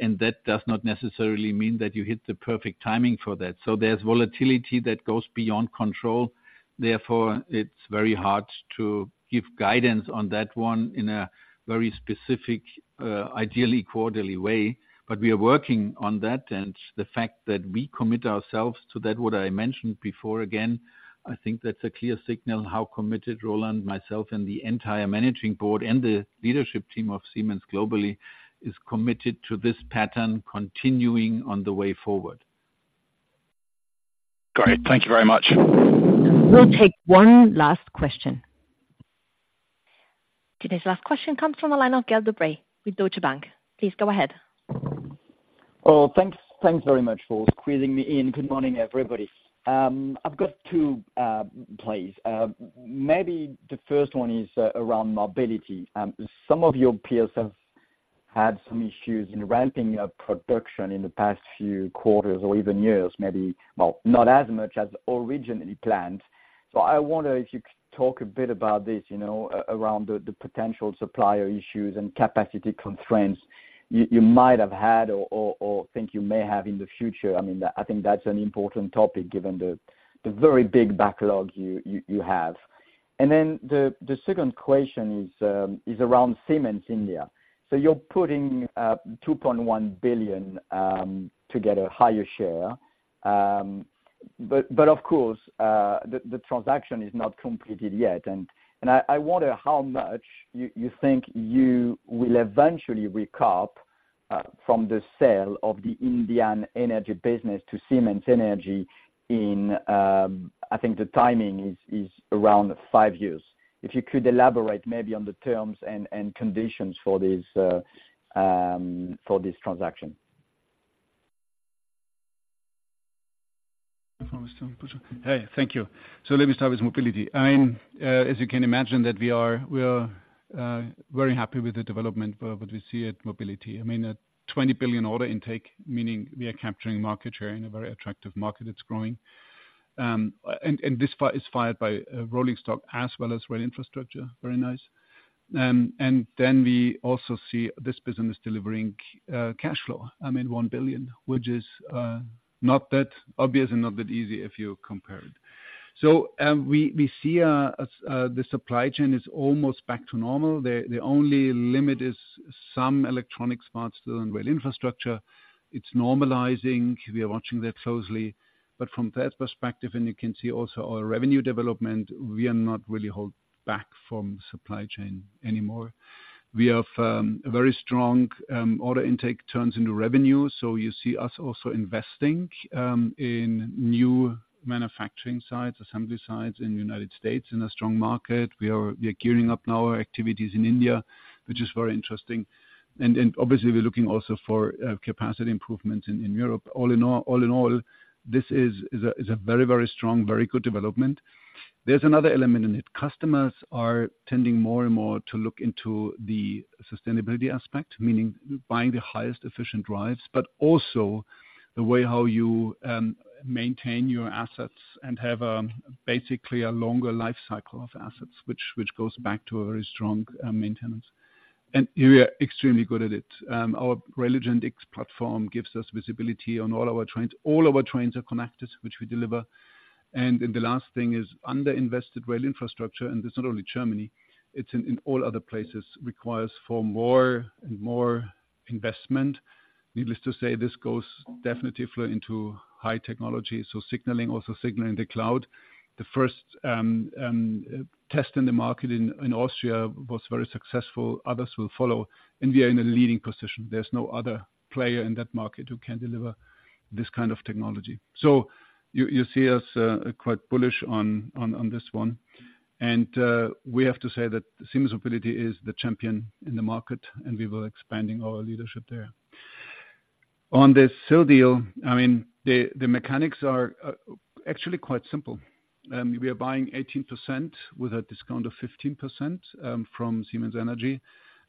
And that does not necessarily mean that you hit the perfect timing for that. So there's volatility that goes beyond control. Therefore, it's very hard to give guidance on that one in a very specific, ideally quarterly way. But we are working on that, and the fact that we commit ourselves to that, what I mentioned before, again, I think that's a clear signal how committed Roland, myself, and the entire managing board and the leadership team of Siemens globally is committed to this pattern continuing on the way forward. Great. Thank you very much. We'll take one last question. Today's last question comes from the line of Gail Aubrey with Deutsche Bank. Please go ahead. Oh, thanks. Thanks very much for squeezing me in. Good morning, everybody. I've got two, please. Maybe the first one is around mobility. Some of your peers have had some issues in ramping up production in the past few quarters or even years, maybe, well, not as much as originally planned. So I wonder if you could talk a bit about this, you know, around the potential supplier issues and capacity constraints you might have had or think you may have in the future. I mean, that, I think that's an important topic, given the very big backlog you have. And then the second question is around Siemens India. So you're putting 2.1 billion to get a higher share. But of course, the transaction is not completed yet. I wonder how much you think you will eventually recoup from the sale of the Indian energy business to Siemens Energy in, I think the timing is around 5 years. If you could elaborate maybe on the terms and conditions for this transaction. Hey, thank you. So let me start with mobility. As you can imagine, we are very happy with the development of what we see at mobility. I mean, a 20 billion order intake, meaning we are capturing market share in a very attractive market that's growing. And this is fired by rolling stock as well as rail infrastructure. Very nice. And then we also see this business delivering cash flow. I mean, 1 billion, which is not that obvious and not that easy if you compare it. So, we see the supply chain is almost back to normal. The only limit is some electronic parts to the rail infrastructure. It's normalizing. We are watching that closely. But from that perspective, and you can see also our revenue development, we are not really held back from supply chain anymore. We have a very strong order intake turns into revenue. So you see us also investing in new manufacturing sites, assembly sites in the United States, in a strong market. We are gearing up now our activities in India, which is very interesting. And obviously, we're looking also for capacity improvements in Europe. All in all, this is a very, very strong, very good development. There's another element in it. Customers are tending more and more to look into the sustainability aspect, meaning buying the highest efficient drives, but also the way how you maintain your assets and have basically a longer life cycle of assets, which goes back to a very strong maintenance. We are extremely good at it. Our Railigent X platform gives us visibility on all our trains. All our trains are connected, which we deliver. Then the last thing is underinvested rail infrastructure, and it's not only Germany, it's in all other places, requires for more and more investment. Needless to say, this goes definitively into high technology, so signaling, also signaling the cloud. The first test in the market in Austria was very successful. Others will follow, and we are in a leading position. There's no other player in that market who can deliver this kind of technology. So you see us quite bullish on this one. And we have to say that Siemens Mobility is the champion in the market, and we were expanding our leadership there. On this sale deal, I mean, the mechanics are actually quite simple. We are buying 18% with a discount of 15% from Siemens Energy.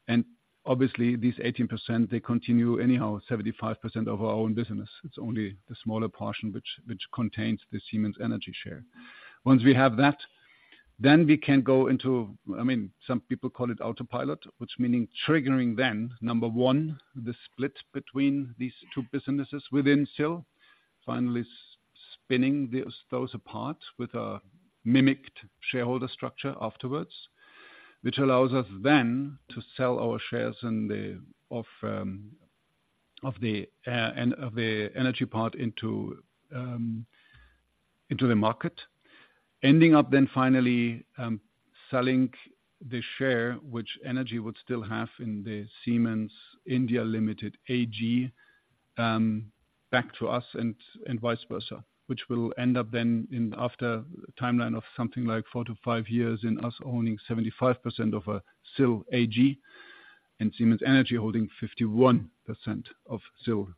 And obviously, these 18%, they continue anyhow, 75% of our own business. It's only the smaller portion which contains the Siemens Energy share. Once we have that, then we can go into... I mean, some people call it autopilot, which meaning triggering then, number one, the split between these two businesses within SIL, finally spinning this, those apart with a mimicked shareholder structure afterwards. Which allows us then to sell our shares in the energy part into the market, ending up then finally selling the share, which Energy would still have in the Siemens Limited India, back to us and vice versa. Which will end up then in after a timeline of something like 4-5 years in us owning 75% of SIL and Siemens Energy holding 51% of SIL,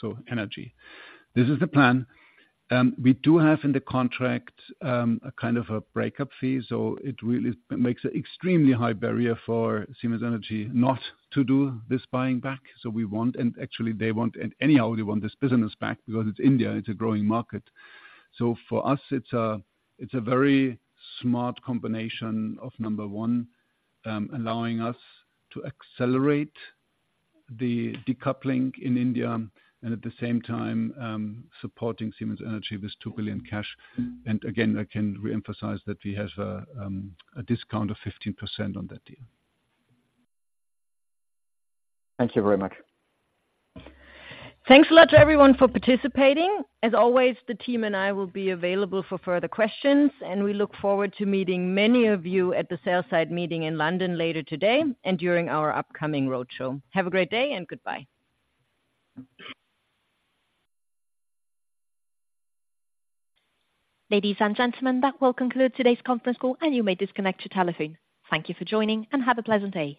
so Energy. This is the plan. We do have in the contract a kind of a breakup fee, so it really makes an extremely high barrier for Siemens Energy not to do this buying back. So we want, and actually they want, and anyhow, they want this business back because it's India, it's a growing market. So for us, it's a very smart combination of, number one, allowing us to accelerate the decoupling in India and at the same time, supporting Siemens Energy with 2 billion cash. And again, I can reemphasize that we have a 15% discount on that deal. Thank you very much. Thanks a lot to everyone for participating. As always, the team and I will be available for further questions, and we look forward to meeting many of you at the sales side meeting in London later today and during our upcoming roadshow. Have a great day and goodbye. Ladies and gentlemen, that will conclude today's conference call, and you may disconnect your telephone. Thank you for joining and have a pleasant day.